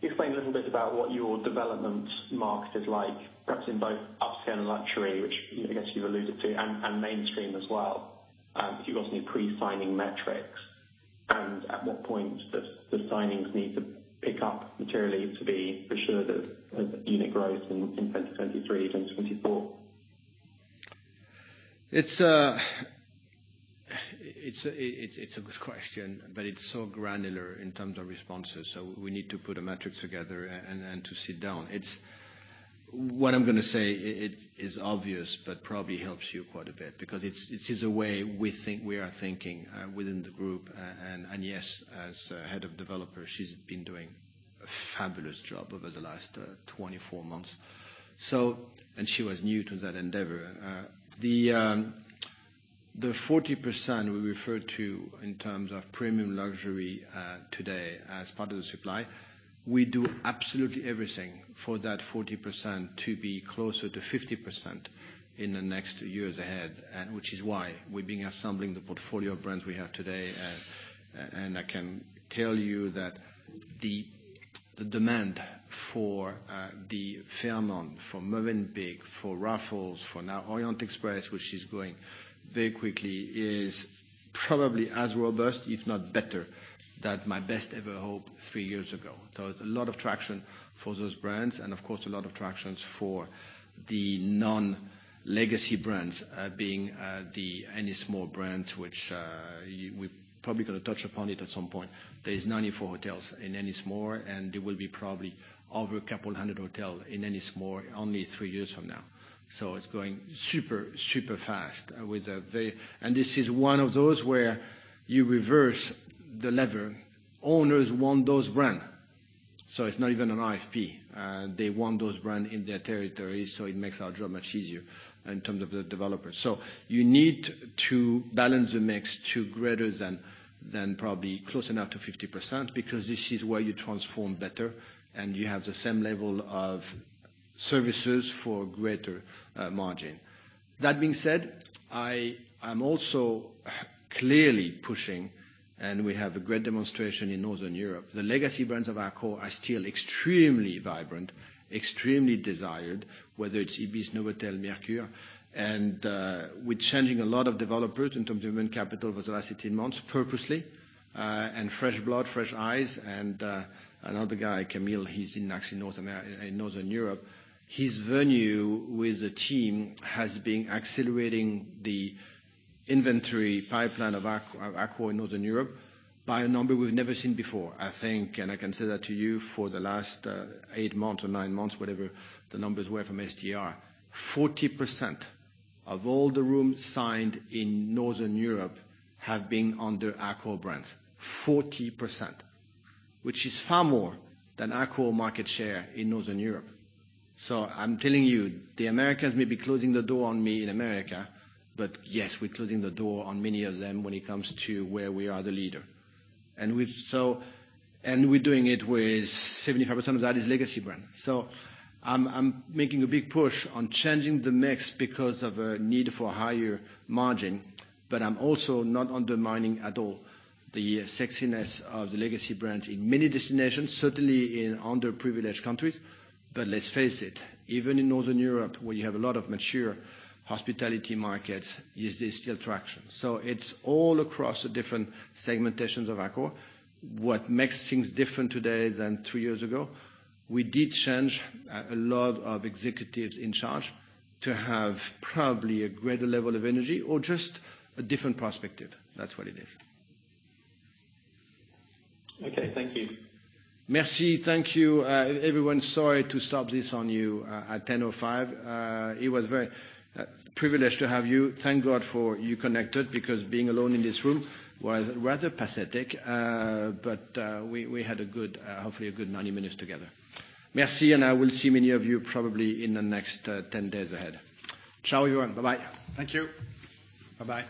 explain a little bit about what your development market is like, perhaps in both upscale and luxury, which I guess you've alluded to, and mainstream as well, if you've got any pre-signing metrics? And at what point does the signings need to pick up materially to be assured of unit growth in 2023, 2024? It's a good question, but it's so granular in terms of responses. So we need to put a metric together and to sit down. What I'm going to say is obvious, but probably helps you quite a bit because it is a way we are thinking within the group. Yes, as head of development, she's been doing a fabulous job over the last 24 months. She was new to that endeavor. The 40% we refer to in terms of premium luxury today as part of the supply, we do absolutely everything for that 40% to be closer to 50% in the next years ahead, which is why we've been assembling the portfolio of brands we have today. I can tell you that the demand for Fairmont, for Mövenpick, for Raffles, for now Orient Express, which is going very quickly, is probably as robust, if not better, than my best-ever hope three years ago. A lot of traction for those brands, and of course, a lot of traction for the non-legacy brands being Ennismore brands, which we're probably going to touch upon at some point. There's 94 hotels in Ennismore, and there will be probably over a couple hundred hotels in Ennismore only three years from now. So it's going super, super fast with a very, and this is one of those where you reverse the lever. Owners want those brands. So it's not even an RFP. They want those brands in their territory. So it makes our job much easier in terms of the developers. So you need to balance the mix to greater than probably close enough to 50% because this is where you transform better, and you have the same level of services for greater margin. That being said, I am also clearly pushing, and we have a great demonstration in Northern Europe. The legacy brands of Accor are still extremely vibrant, extremely desired, whether it's Ibis, Novotel, Mercure. We're changing a lot of developers in terms of human capital for the last 18 months purposely. Fresh blood, fresh eyes, and another guy, Camil, he's in actually Northern Europe. His tenure with the team has been accelerating the inventory pipeline of Accor in Northern Europe by a number we've never seen before. I think, and I can say that to you, for the last eight months or nine months, whatever the numbers were from STR, 40% of all the rooms signed in Northern Europe have been under Accor brands, 40%, which is far more than Accor's market share in Northern Europe. So I'm telling you, the Americans may be closing the door on me in America, but yes, we're closing the door on many of them when it comes to where we are the leader. We're doing it where 75% of that is legacy brands. So I'm making a big push on changing the mix because of a need for higher margin, but I'm also not undermining at all the sexiness of the legacy brands in many destinations, certainly in underprivileged countries. But let's face it, even in Northern Europe, where you have a lot of mature hospitality markets, is there still traction? So it's all across the different segmentations of Accor. What makes things different today than three years ago? We did change a lot of executives in charge to have probably a greater level of energy or just a different perspective. That's what it is. Okay. Thank you. Merci. Thank you. Everyone, sorry to stop this on you at 10:05 A.M. It was very privileged to have you. Thank God for you connected because being alone in this room was rather pathetic, but we had, hopefully, a good 90 minutes together. Merci, and I will see many of you probably in the next 10 days ahead. Ciao, everyone. Bye-bye. Thank you. Bye-bye.